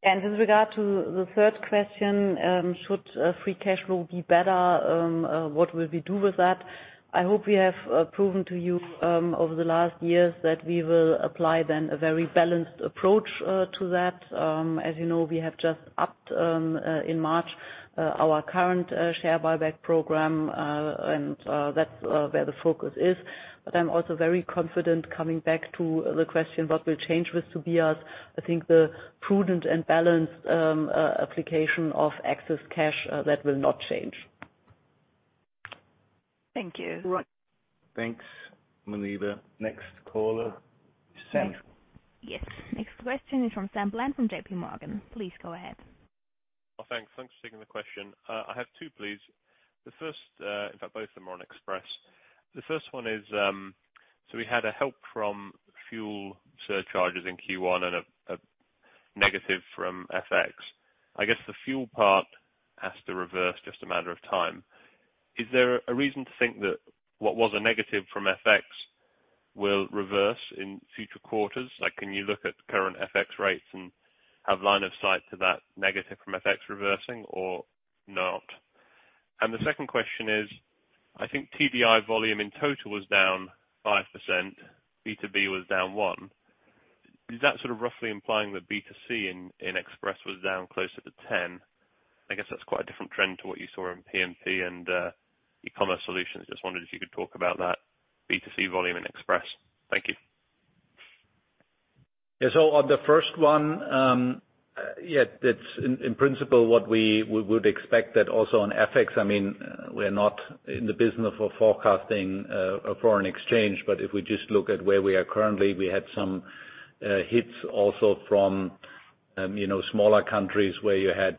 In regard to the third question, should free cash flow be better, what will we do with that? I hope we have proven to you over the last years that we will apply then a very balanced approach to that. As you know, we have just upped in March our current share buyback program, and that's where the focus is. I'm also very confident coming back to the question, what will change with Tobias's? I think the prudent and balanced application of excess cash, that will not change. Thank you. Thanks, Muneeba. Next caller, Sam. Yes. Next question is from Sam Bland from JPMorgan. Please go ahead. Oh, thanks. Thanks for taking the question. I have two, please. The first, in fact, both of them are on Express. The first one is, so we had a help from fuel surcharges in Q1 and a negative from FX. I guess the fuel part has to reverse just a matter of time. Is there a reason to think that what was a negative from FX will reverse in future quarters? Like, can you look at current FX rates and have line of sight to that negative from FX reversing or not? The second question is, I think TDI volume in total was down 5%, B2B was down 1%. Is that sort of roughly implying that B2C in Express was down closer to 10%? I guess that's quite a different trend to what you saw in P&P and eCommerce Solutions. Just wondered if you could talk about that B2C volume in Express. Thank you. On the first one, that's in principle what we would expect that also on FX, I mean, we're not in the business of forecasting a foreign exchange, but if we just look at where we are currently, we had some hits also from, you know, smaller countries where you had,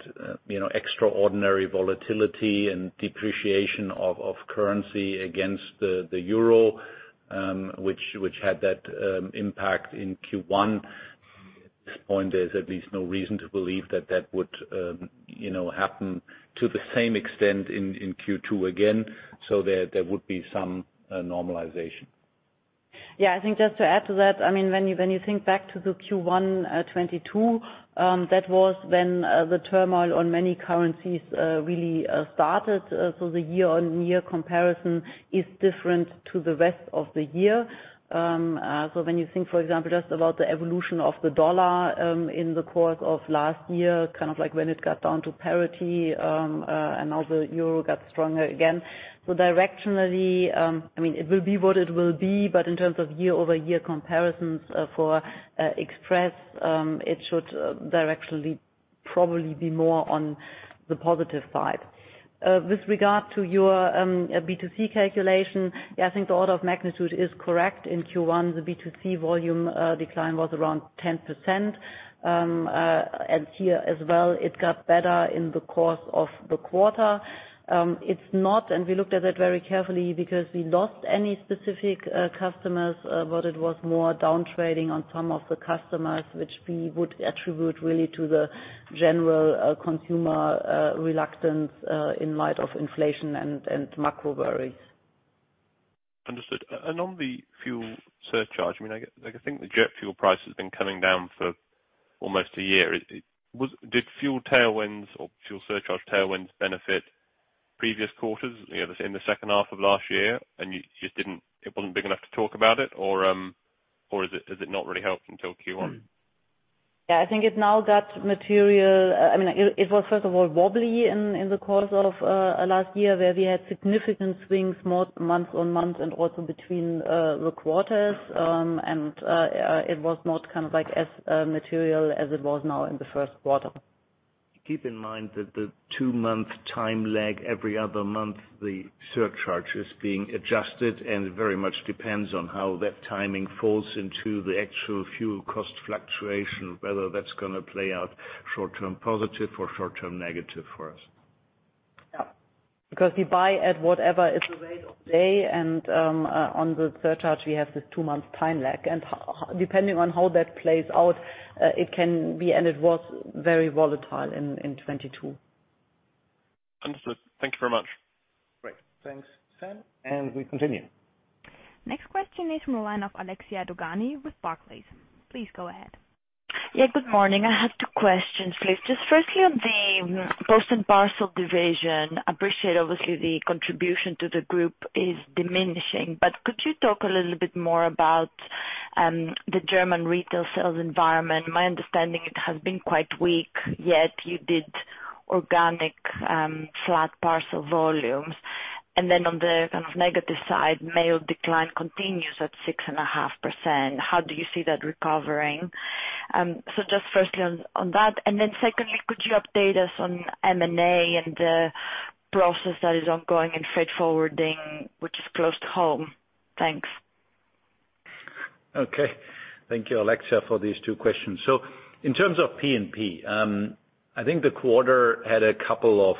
you know, extraordinary volatility and depreciation of currency against the euro, which had that impact in Q1. At this point, there's at least no reason to believe that that would, you know, happen to the same extent in Q2 again. There would be some normalization. Yeah, I think just to add to that, when you think back to the Q1 2022, that was when the turmoil on many currencies really started. The year-on-year comparison is different to the rest of the year. When you think, for example, just about the evolution of the dollar in the course of last year, kind of like when it got down to parity, and now the euro got stronger again. Directionally, it will be what it will be, but in terms of year-over-year comparisons for Express, it should directionally probably be more on the positive side. With regard to your B2C calculation, I think the order of magnitude is correct. In Q1, the B2C volume decline was around 10%. Here as well, it got better in the course of the quarter. It's not, and we looked at it very carefully because we lost any specific customers, but it was more down trading on some of the customers, which we would attribute really to the general consumer reluctance in light of inflation and macro worries. Understood. On the fuel surcharge, I mean, I think the jet fuel price has been coming down for almost a year. It Did fuel tailwinds or fuel surcharge tailwinds benefit previous quarters, you know, in the second half of last year? You just didn't, it wasn't big enough to talk about it, or is it not really helped until Q1? Yeah, I think it now got material. I mean, it was first of all wobbly in the course of last year where we had significant swings more month-on-month and also between the quarters. It was not kind of like as material as it was now in the first quarter. Keep in mind that the two-month time lag every other month, the surcharge is being adjusted, and it very much depends on how that timing falls into the actual fuel cost fluctuation, whether that's gonna play out short-term positive or short-term negative for us. Yeah. Because we buy at whatever is the rate of day and, on the surcharge, we have this two-month time lag. Depending on how that plays out, it can be, and it was very volatile in 2022. Understood. Thank you very much. Great. Thanks, Sam. We continue. Next question is from the line of Alexia Dogani with Barclays. Please go ahead. Yeah, good morning. I have two questions, please. Just firstly on the Post & Parcel division. Appreciate obviously the contribution to the group is diminishing, but could you talk a little bit more about the German retail sales environment? My understanding, it has been quite weak, yet you did organic, flat parcel volumes. On the kind of negative side, mail decline continues at 6.5%. How do you see that recovering? Just firstly on that, and then secondly, could you update us on M&A and the process that is ongoing in freight forwarding, which is close to home? Thanks. Thank you, Alexia, for these two questions. In terms of P&P, I think the quarter had a couple of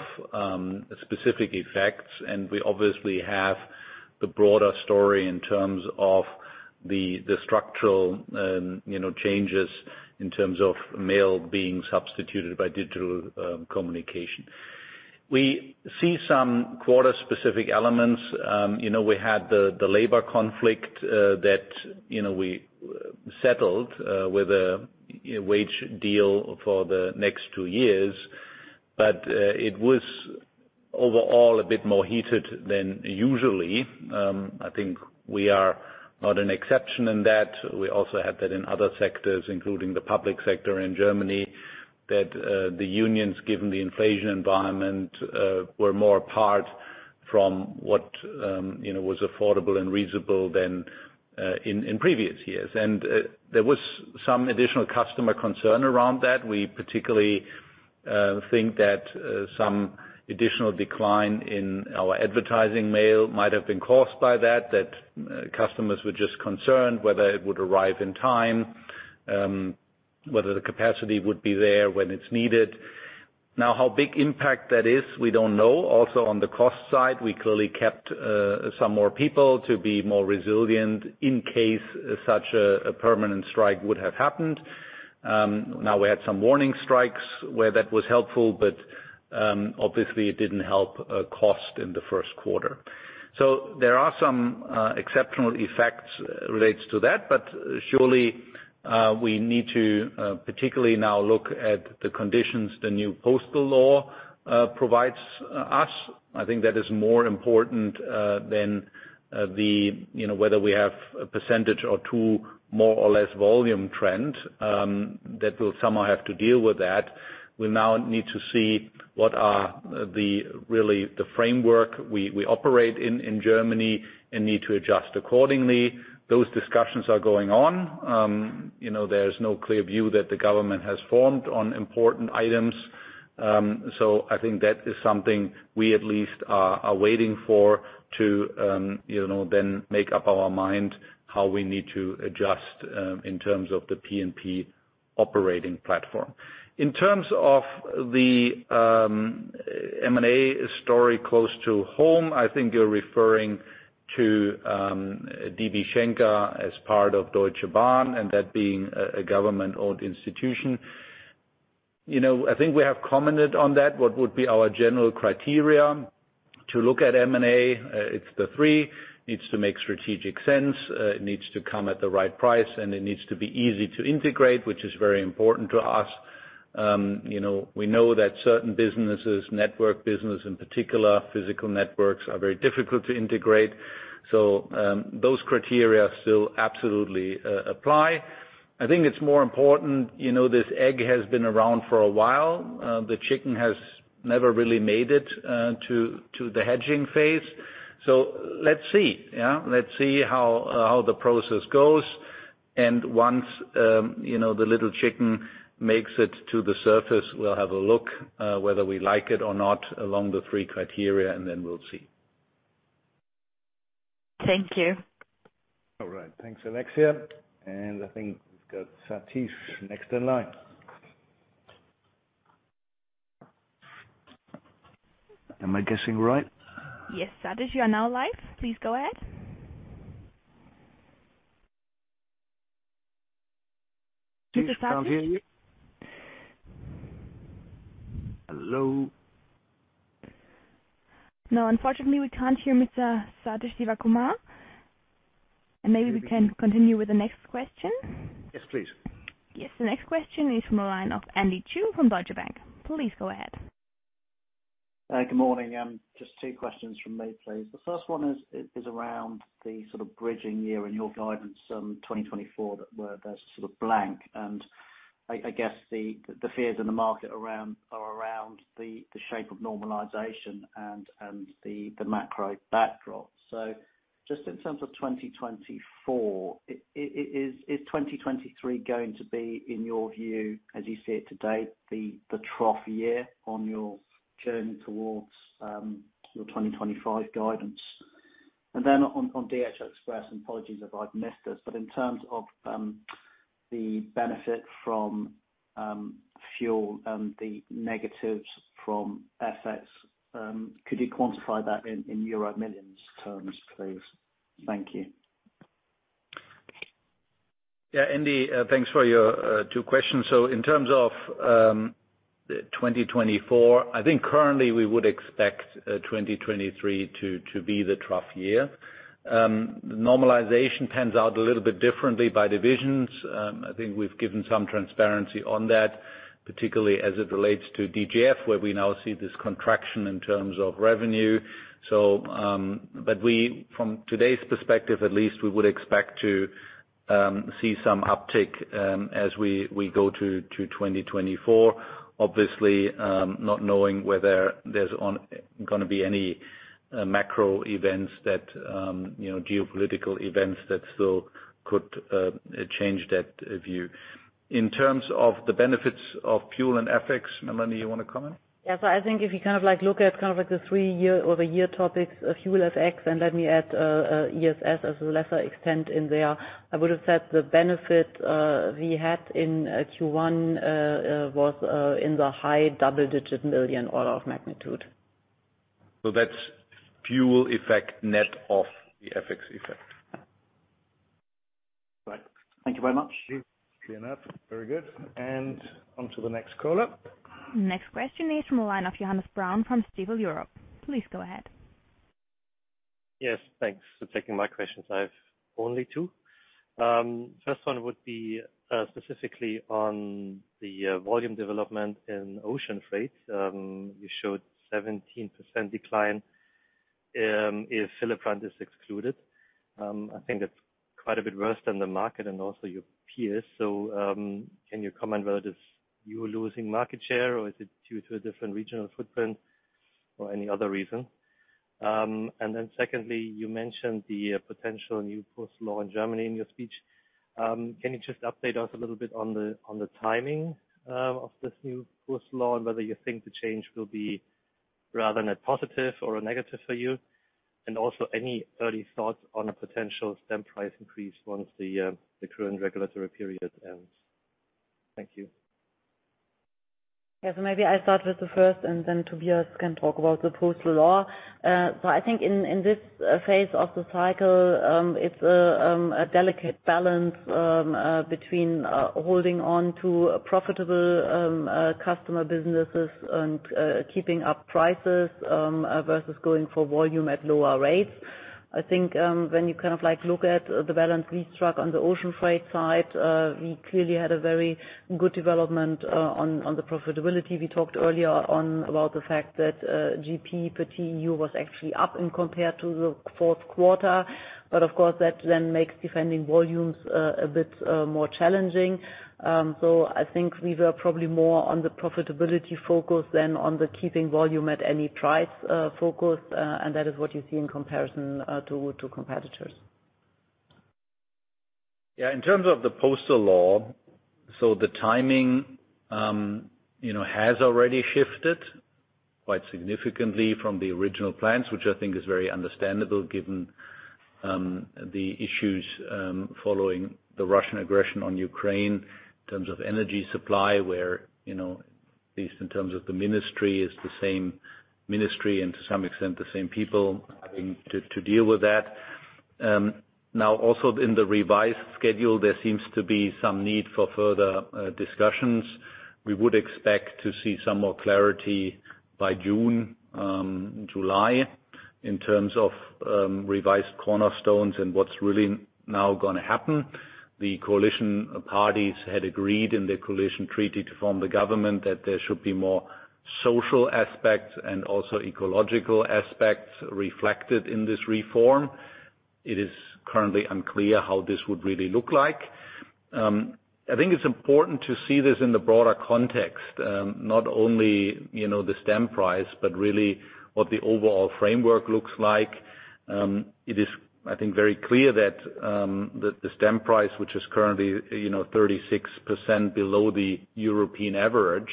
specific effects, we obviously have the broader story in terms of the structural, you know, changes in terms of mail being substituted by digital communication. We see some quarter specific elements. We had the labor conflict that we settled with a wage deal for the next two years, it was overall a bit more heated than usually. I think we are not an exception in that. We also have that in other sectors, including the public sector in Germany, that the unions, given the inflation environment, were more apart from what, you know, was affordable and reasonable than in previous years. There was some additional customer concern around that. We particularly think that some additional decline in our advertising mail might have been caused by that customers were just concerned whether it would arrive in time, whether the capacity would be there when it's needed. How big impact that is, we don't know. On the cost side, we clearly kept some more people to be more resilient in case such a permanent strike would have happened. We had some warning strikes where that was helpful, but obviously it didn't help cost in the first quarter. There are some exceptional effects relates to that, but surely we need to particularly now look at the conditions the new postal law provides us. I think that is more important than the, you know, whether we have a 1% or 2% more or less volume trend that will somehow have to deal with that. We now need to see what are the really, the framework we operate in Germany and need to adjust accordingly. Those discussions are going on. You know, there's no clear view that the government has formed on important items. I think that is something we at least are waiting for to, you know, then make up our mind how we need to adjust in terms of the P&P operating platform. In terms of the M&A story close to home, I think you're referring to DB Schenker as part of Deutsche Bahn, and that being a government-owned institution. You know, I think we have commented on that. What would be our general criteria to look at M&A? It's the three. Needs to make strategic sense, it needs to come at the right price, and it needs to be easy to integrate, which is very important to us. You know, we know that certain businesses, network business in particular, physical networks, are very difficult to integrate. Those criteria still absolutely apply. I think it's more important, you know, this egg has been around for a while. The chicken has never really made it to the hedging phase. Let's see, yeah. Let's see how the process goes. Once, you know, the little chicken makes it to the surface, we'll have a look, whether we like it or not along the three criteria, and then we'll see. Thank you. All right. Thanks, Alexia. I think we've got Sathish next in line. Am I guessing right? Yes. Sathish, you are now live. Please go ahead. Mr. Sathish? Can't hear you. Hello. No, unfortunately, we can't hear Mr. Sathish Sivakumar. Maybe we can continue with the next question. Yes, please. Yes. The next question is from the line of Andy Chu from Deutsche Bank. Please go ahead. Good morning. Just two questions from me, please. The first one is around the sort of bridging year in your guidance, 2024 that's sort of blank. I guess the fears in the market are around the shape of normalization and the macro backdrop. Just in terms of 2024, is 2023 going to be, in your view as you see it to date, the trough year on your journey towards your 2025 guidance? On DHL Express, apologies if I've missed this. In terms of the benefit from fuel and the negatives from FX, could you quantify that in euro millions terms, please? Thank you. Yeah. Andy, thanks for your two questions. In terms of 2024, I think currently we would expect 2023 to be the trough year. Normalization pans out a little bit differently by divisions. I think we've given some transparency on that, particularly as it relates to DGF, where we now see this contraction in terms of revenue. We, from today's perspective at least, we would expect to see some uptick as we go to 2024. Obviously, not knowing whether there's gonna be any macro events that, you know, geopolitical events that still could change that view. In terms of the benefits of fuel and FX, Melanie, you wanna comment? Yeah. I think if you kind of like look at kind of like the three year or the year topics of fuel, FX, and let me add ESS as a lesser extent in there, I would've said the benefit we had in Q1 was in the high double-digit million order of magnitude. That's fuel effect net of the FX effect. Right. Thank you very much. Clear enough. Very good. On to the next caller. Next question is from the line of Johannes Braun from Stifel Europe. Please go ahead. Yes. Thanks for taking my questions. I have only two. First one would be specifically on the volume development in ocean freight. You showed 17% decline if [Hillebrand] is excluded. I think that's quite a bit worse than the market and also your peers. Can you comment whether it is you losing market share, or is it due to a different regional footprint or any other reason? Secondly, you mentioned the potential new postal law in Germany in your speech. Can you just update us a little bit on the timing of this new postal law and whether you think the change will be rather net positive or a negative for you? Also any early thoughts on a potential stamp price increase once the current regulatory period ends. Thank you. Yeah. Maybe I'll start with the first, and then Tobias can talk about the postal law. I think in this phase of the cycle, it's a delicate balance between holding on to profitable customer businesses and keeping up prices versus going for volume at lower rates. When you kind of, like, look at the balance we struck on the ocean freight side, we clearly had a very good development on the profitability. We talked earlier on about the fact that GP per TEU was actually up in compared to the fourth quarter. Of course, that then makes defending volumes a bit more challenging. I think we were probably more on the profitability focus than on the keeping volume at any price, focus. That is what you see in comparison, to competitors. Yeah. In terms of the postal law, the timing, you know, has already shifted quite significantly from the original plans, which I think is very understandable given the issues following the Russian aggression on Ukraine in terms of energy supply, where, you know, at least in terms of the ministry, it's the same ministry and to some extent the same people having to deal with that. Now also in the revised schedule, there seems to be some need for further discussions. We would expect to see some more clarity by June, July in terms of revised cornerstones and what's really now gonna happen. The coalition parties had agreed in the coalition treaty to form the government that there should be more social aspects also ecological aspects reflected in this reform. It is currently unclear how this would really look like. I think it's important to see this in the broader context, not only, you know, the stamp price, but really what the overall framework looks like. It is, I think, very clear that the stamp price, which is currently, you know, 36% below the European average,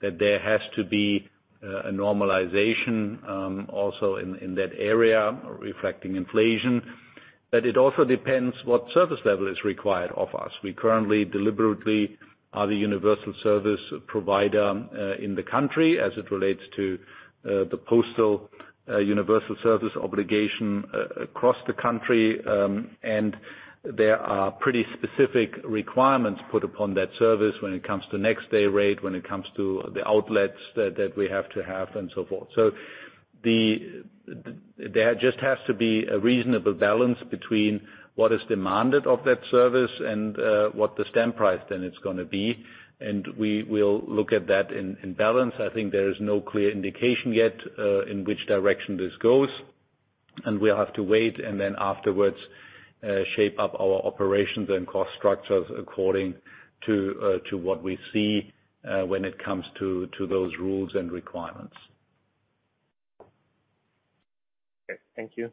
that there has to be a normalization also in that area reflecting inflation. It also depends what service level is required of us. We currently deliberately are the universal service provider in the country as it relates to the postal universal service obligation across the country. There are pretty specific requirements put upon that service when it comes to next day rate, when it comes to the outlets that we have to have and so forth. There just has to be a reasonable balance between what is demanded of that service and what the stamp price then is gonna be. We will look at that in balance. I think there is no clear indication yet in which direction this goes, and we'll have to wait and then afterwards shape up our operations and cost structures according to what we see when it comes to those rules and requirements. Okay. Thank you.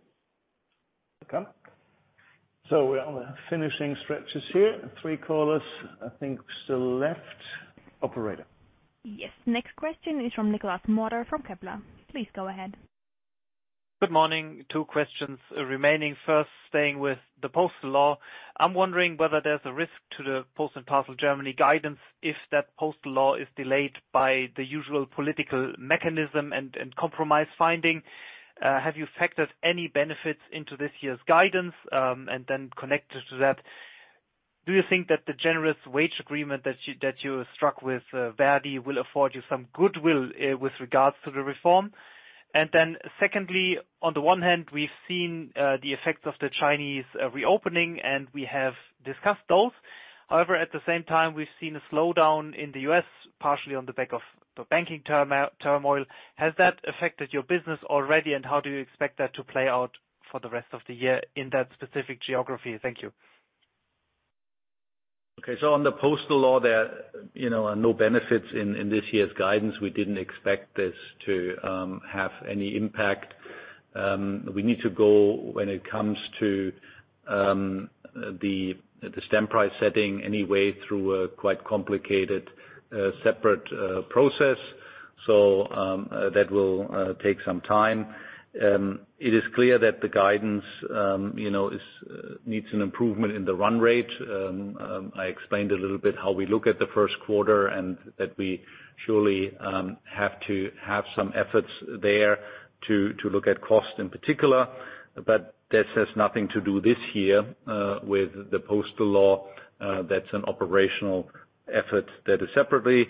Welcome. We are on the finishing stretches here. Three callers, I think, still left. Operator? Yes. Next question is from Nicolas Payen, from Kepler. Please go ahead. Good morning. Two questions remaining. First, staying with the postal law, I'm wondering whether there's a risk to the Post & Parcel Germany guidance if that postal law is delayed by the usual political mechanism and compromise finding. Have you factored any benefits into this year's guidance? Connected to that, do you think that the generous wage agreement that you struck with ver.di will afford you some goodwill with regards to the reform? Secondly, on the one hand, we've seen the effects of the Chinese reopening, and we have discussed those. At the same time, we've seen a slowdown in the U.S., partially on the back of the banking turmoil. Has that affected your business already, and how do you expect that to play out for the rest of the year in that specific geography? Thank you. Okay. On the postal law, there, you know, are no benefits in this year's guidance. We didn't expect this to have any impact. We need to go when it comes to the stamp price setting anyway through a quite complicated, separate process. That will take some time. It is clear that the guidance, you know, needs an improvement in the run rate. I explained a little bit how we look at the first quarter and that we surely have to have some efforts there to look at cost in particular. This has nothing to do this year with the postal law. That's an operational effort that is separately.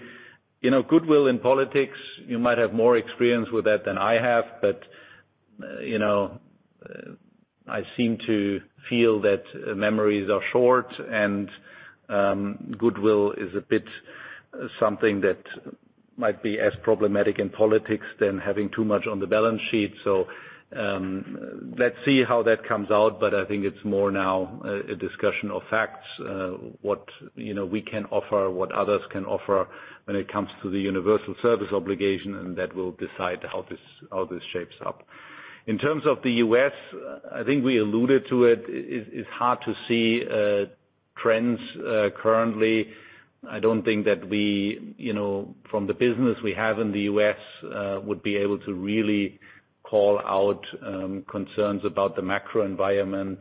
You know, goodwill in politics, you might have more experience with that than I have, but, you know, I seem to feel that memories are short and, goodwill is a bit something that might be as problematic in politics than having too much on the balance sheet. Let's see how that comes out. I think it's more now a discussion of facts, what, you know, we can offer, what others can offer when it comes to the universal service obligation, and that will decide how this shapes up. In terms of the US, I think we alluded to it. It is hard to see trends currently. I don't think that we, you know, from the business we have in the US, would be able to really call out, concerns about the macro environment.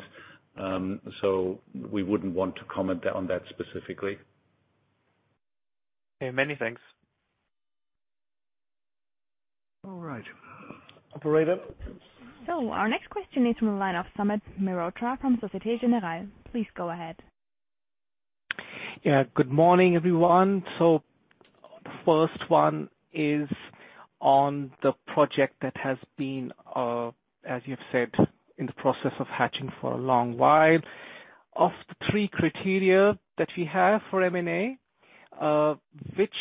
We wouldn't want to comment on that specifically. Okay. Many thanks. All right. Operator? Our next question is from the line of Sumit Mehrotra from Société Générale. Please go ahead. Good morning, everyone. The first one is on the project that has been, as you've said, in the process of hatching for a long while. Of the three criteria that we have for M&A, which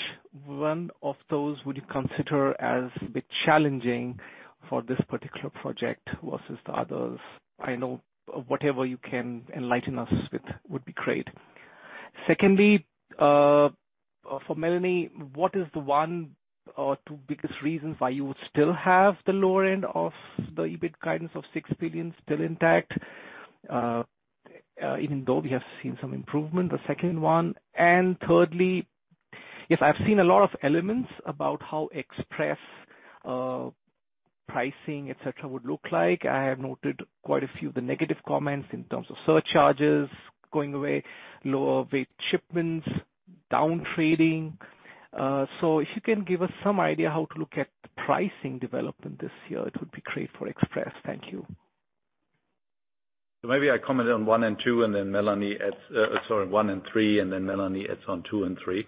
one of those would you consider as a bit challenging for this particular project versus the others? I know whatever you can enlighten us with would be great. Secondly, for Melanie, what is the one or two biggest reasons why you would still have the lower end of the EBIT guidance of 6 billion still intact, even though we have seen some improvement, the second one. Thirdly, yes, I've seen a lot of elements about how Express pricing, et cetera, would look like. I have noted quite a few of the negative comments in terms of surcharges going away, lower weight shipments, down trading. So if you can give us some idea how to look at the pricing development this year, it would be great for Express. Thank you. Maybe I comment on one and two, and then Melanie adds, sorry, one and three, and then Melanie adds on two and three.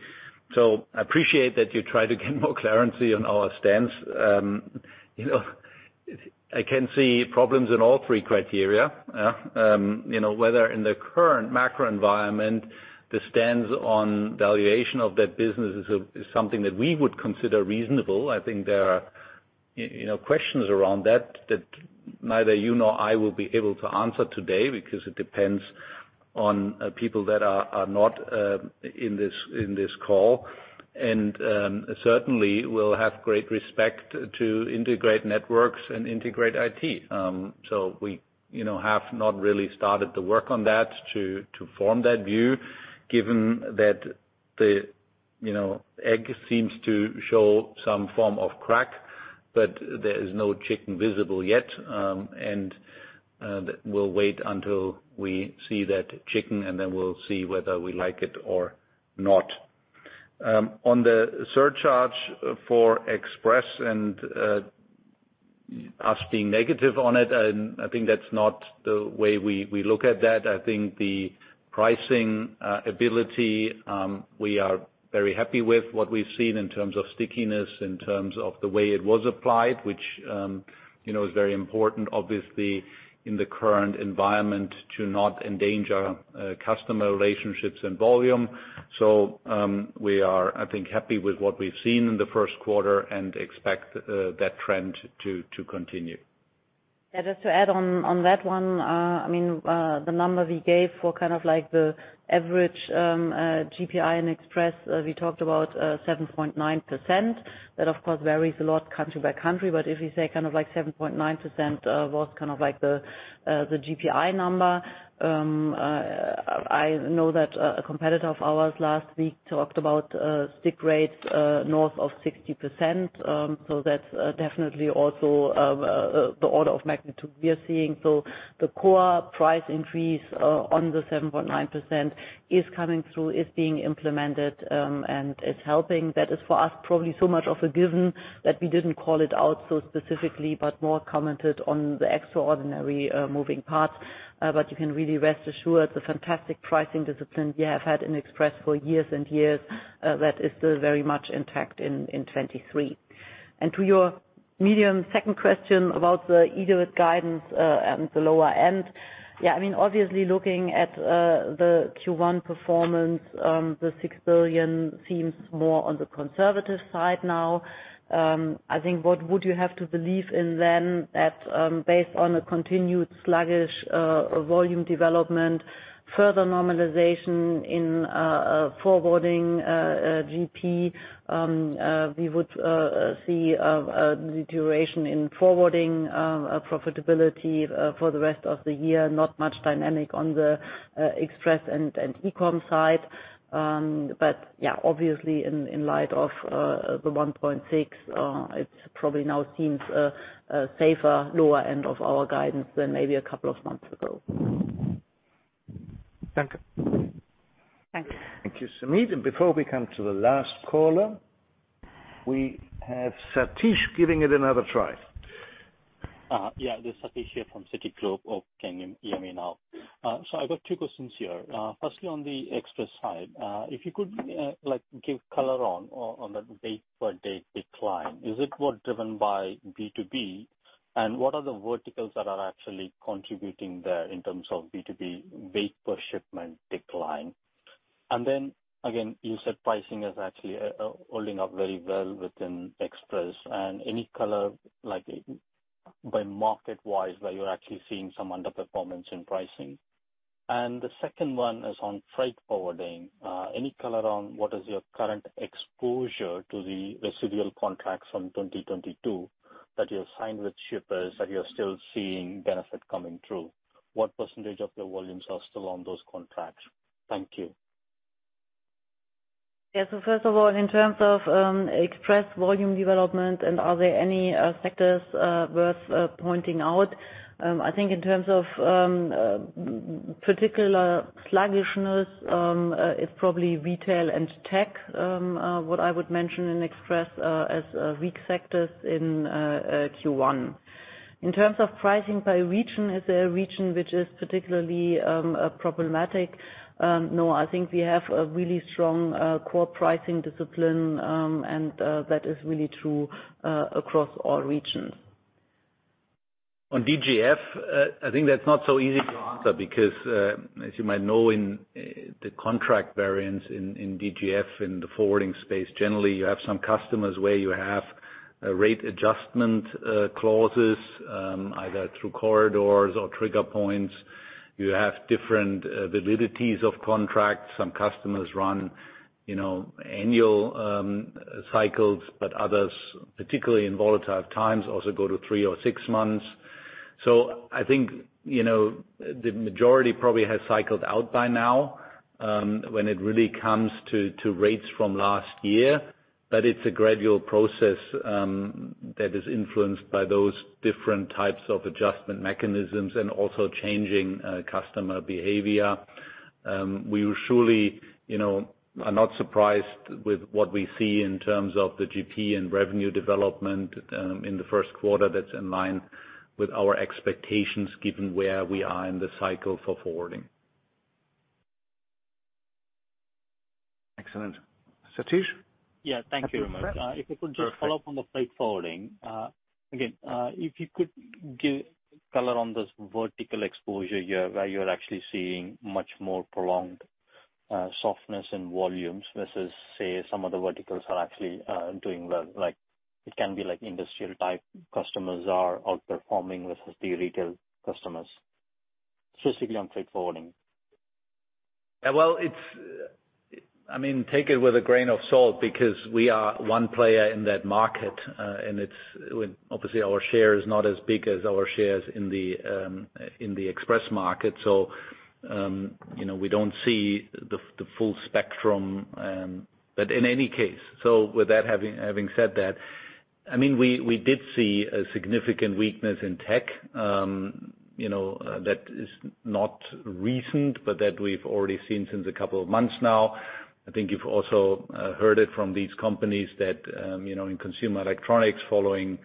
I appreciate that you try to get more clarity on our stance. You know, I can see problems in all three criteria. You know, whether in the current macro environment, the stance on valuation of that business is something that we would consider reasonable. I think there are. You know, questions around that neither you nor I will be able to answer today because it depends on people that are not in this call. Certainly will have great respect to integrate networks and integrate IT. We, you know, have not really started to work on that to form that view given that the, you know, egg seems to show some form of crack, but there is no chicken visible yet. We'll wait until we see that chicken, and then we'll see whether we like it or not. On the surcharge for Express and us being negative on it, I think that's not the way we look at that. I think the pricing ability, we are very happy with what we've seen in terms of stickiness, in terms of the way it was applied, which, you know, is very important, obviously, in the current environment to not endanger customer relationships and volume. We are, I think, happy with what we've seen in the first quarter and expect that trend to continue. Just to add on that one. I mean, the number we gave for kind of like the average GPI in express, we talked about 7.9%. That, of course, varies a lot country by country. If we say kind of like 7.9%, was kind of like the GPI number. I know that a competitor of ours last week talked about stick rates north of 60%. That's definitely also the order of magnitude we are seeing. The core price increase on the 7.9% is coming through, is being implemented, and is helping. That is for us probably so much of a given that we didn't call it out so specifically, but more commented on the extraordinary moving parts. But you can really rest assured the fantastic pricing discipline we have had in Express for years and years, that is still very much intact in 2023. To your medium second question about the full year guidance and the lower end. Yeah, I mean, obviously looking at the Q1 performance, the 6 billion seems more on the conservative side now. I think what would you have to believe in then that, based on a continued sluggish volume development, further normalization in forwarding GP, we would see a deterioration in forwarding profitability for the rest of the year. Not much dynamic on the express and e-com side. Yeah, obviously in light of the 1.6, it probably now seems a safer lower end of our guidance than maybe a couple of months ago. Thank you. Thanks. Thank you, Sumit. Before we come to the last caller, we have Sathish giving it another try. Yeah, this is Sathish here from Citigroup, EMEA now. I got two questions here. Firstly, on the Express side, if you could, like, give color on the day by day decline, is it more driven by B2B? What are the verticals that are actually contributing there in terms of B2B weight per shipment decline? You said pricing is actually holding up very well within Express and any color like by market-wise, where you're actually seeing some underperformance in pricing. The second one is on freight forwarding. Any color on what is your current exposure to the residual contracts from 2022 that you have signed with shippers that you're still seeing benefit coming through? What percentage of your volumes are still on those contracts? Thank you. Yeah. First of all, in terms of Express volume development and are there any sectors worth pointing out? I think in terms of particular sluggishness, it's probably retail and tech, what I would mention in Express as weak sectors in Q1. In terms of pricing by region, is there a region which is particularly problematic? No, I think we have a really strong core pricing discipline, and that is really true across all regions. On DGF, I think that's not so easy to answer because, as you might know, in the contract variance in DGF, in the forwarding space, generally you have some customers where you have rate adjustment clauses, either through corridors or trigger points. You have different validities of contracts. Some customers run, you know, annual cycles, but others, particularly in volatile times, also go to three or six months. I think, you know, the majority probably has cycled out by now, when it really comes to rates from last year. It's a gradual process that is influenced by those different types of adjustment mechanisms and also changing customer behavior. We surely, you know, are not surprised with what we see in terms of the GP and revenue development in the first quarter. That's in line with our expectations given where we are in the cycle for forwarding. Excellent. Sathish. Yeah. Thank you very much. Happy to chat. If I could just follow up on the freight forwarding. Again, if you could give color on this vertical exposure here where you're actually seeing much more prolonged softness in volumes versus, say, some other verticals are actually doing well? Like, it can be like industrial type customers are outperforming versus the retail customers, specifically on freight forwarding? Well, I mean, take it with a grain of salt because we are one player in that market, and obviously our share is not as big as our shares in the express market. You know, we don't see the full spectrum. In any case, with that having said that, I mean, we did see a significant weakness in tech. You know, that is not recent, but that we've already seen since a couple of months now. I think you've also heard it from these companies that, you know, in consumer electronics following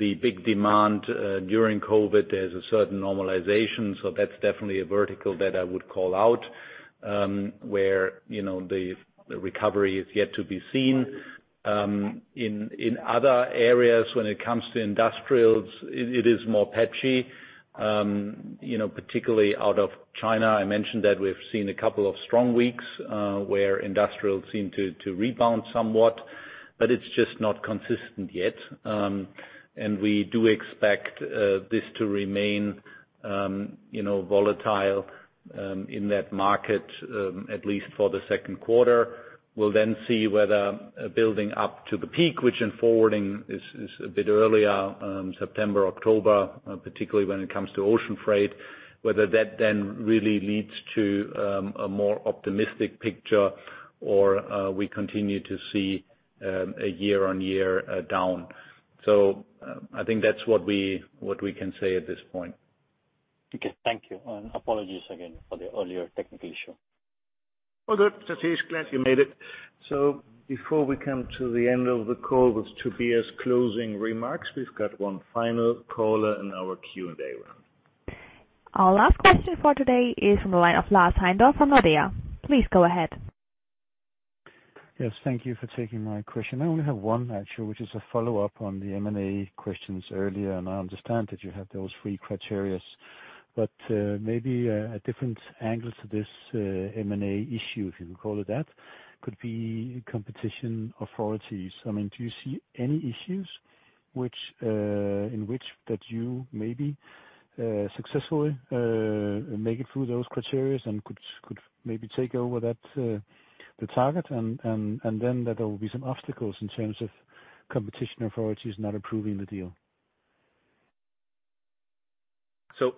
the big demand during COVID, there's a certain normalization. That's definitely a vertical that I would call out, where, you know, the recovery is yet to be seen. In other areas when it comes to industrials, it is more patchy. You know, particularly out of China. I mentioned that we've seen a couple of strong weeks, where industrials seem to rebound somewhat, but it's just not consistent yet. We do expect this to remain, you know, volatile in that market, at least for the second quarter. We'll then see whether building up to the peak, which in forwarding is a bit earlier, September, October, particularly when it comes to ocean freight. Whether that then really leads to a more optimistic picture or we continue to see a year-over-year down. I think that's what we can say at this point. Okay. Thank you. Apologies again for the earlier technical issue. All good, Sathish. Glad you made it. Before we come to the end of the call with Tobias' closing remarks, we've got one final caller in our queue today. Our last question for today is from the line of Lars Heindorff from Nordea. Please go ahead. Yes. Thank you for taking my question. I only have one actually, which is a follow-up on the M&A questions earlier. I understand that you have those three criteria, but maybe a different angle to this M&A issue, if you can call it that, could be competition authorities. I mean, do you see any issues which in which that you maybe successfully make it through those criteria and could maybe take over that the target and then that there will be some obstacles in terms of competition authorities not approving the deal?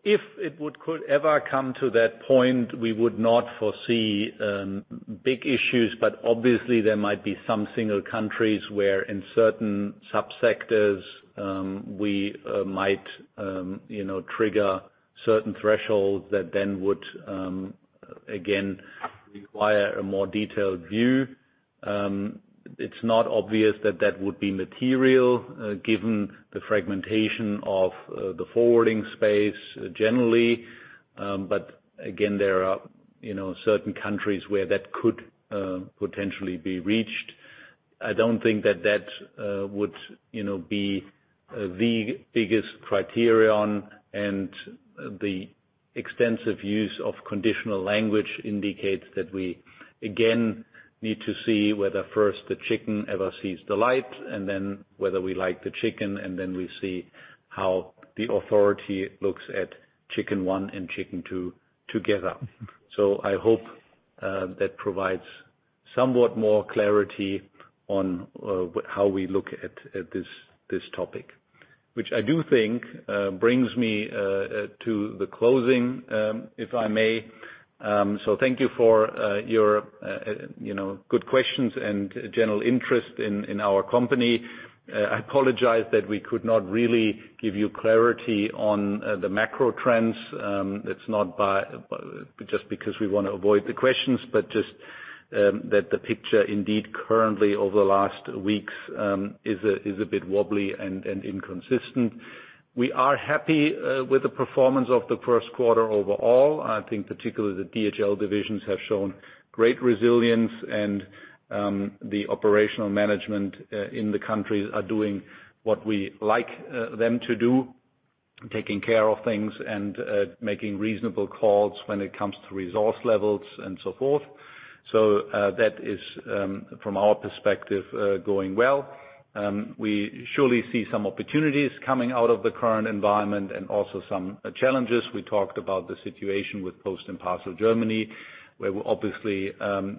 If it could ever come to that point, we would not foresee big issues, but obviously there might be some single countries where in certain subsectors, we might, you know, trigger certain thresholds that then would again require a more detailed view. It's not obvious that that would be material, given the fragmentation of the forwarding space generally. But again, there are, you know, certain countries where that could potentially be reached. I don't think that that would, you know, be the biggest criterion. The extensive use of conditional language indicates that we again need to see whether first the chicken ever sees the light and then whether we like the chicken, and then we see how the authority looks at chicken one and chicken two together. I hope that provides somewhat more clarity on how we look at this topic. Which I do think brings me to the closing, if I may. Thank you for your, you know, good questions and general interest in our company. I apologize that we could not really give you clarity on the macro trends. It's not just because we wanna avoid the questions, but just that the picture indeed currently over the last weeks is a bit wobbly and inconsistent. We are happy with the performance of the first quarter overall. I think particularly the DHL divisions have shown great resilience and the operational management in the countries are doing what we like them to do, taking care of things and making reasonable calls when it comes to resource levels and so forth. That is from our perspective going well. We surely see some opportunities coming out of the current environment and also some challenges. We talked about the situation with Post & Parcel Germany, where we obviously,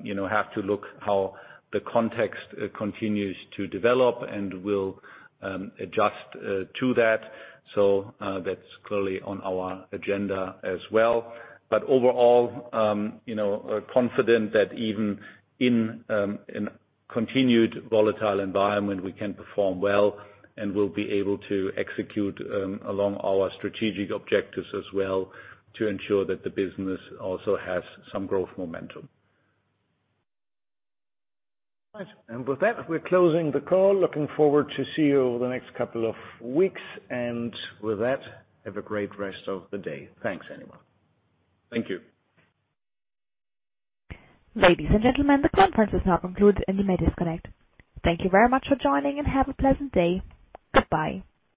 you know, have to look how the context continues to develop and will adjust to that. That's clearly on our agenda as well. Overall, you know, are confident that even in a continued volatile environment we can perform well and we'll be able to execute along our strategic objectives as well to ensure that the business also has some growth momentum. Right. With that, we're closing the call. Looking forward to see you over the next couple of weeks. With that, have a great rest of the day. Thanks everyone. Thank you. Ladies and gentlemen, the conference is now concluded and you may disconnect. Thank you very much for joining and have a pleasant day. Goodbye.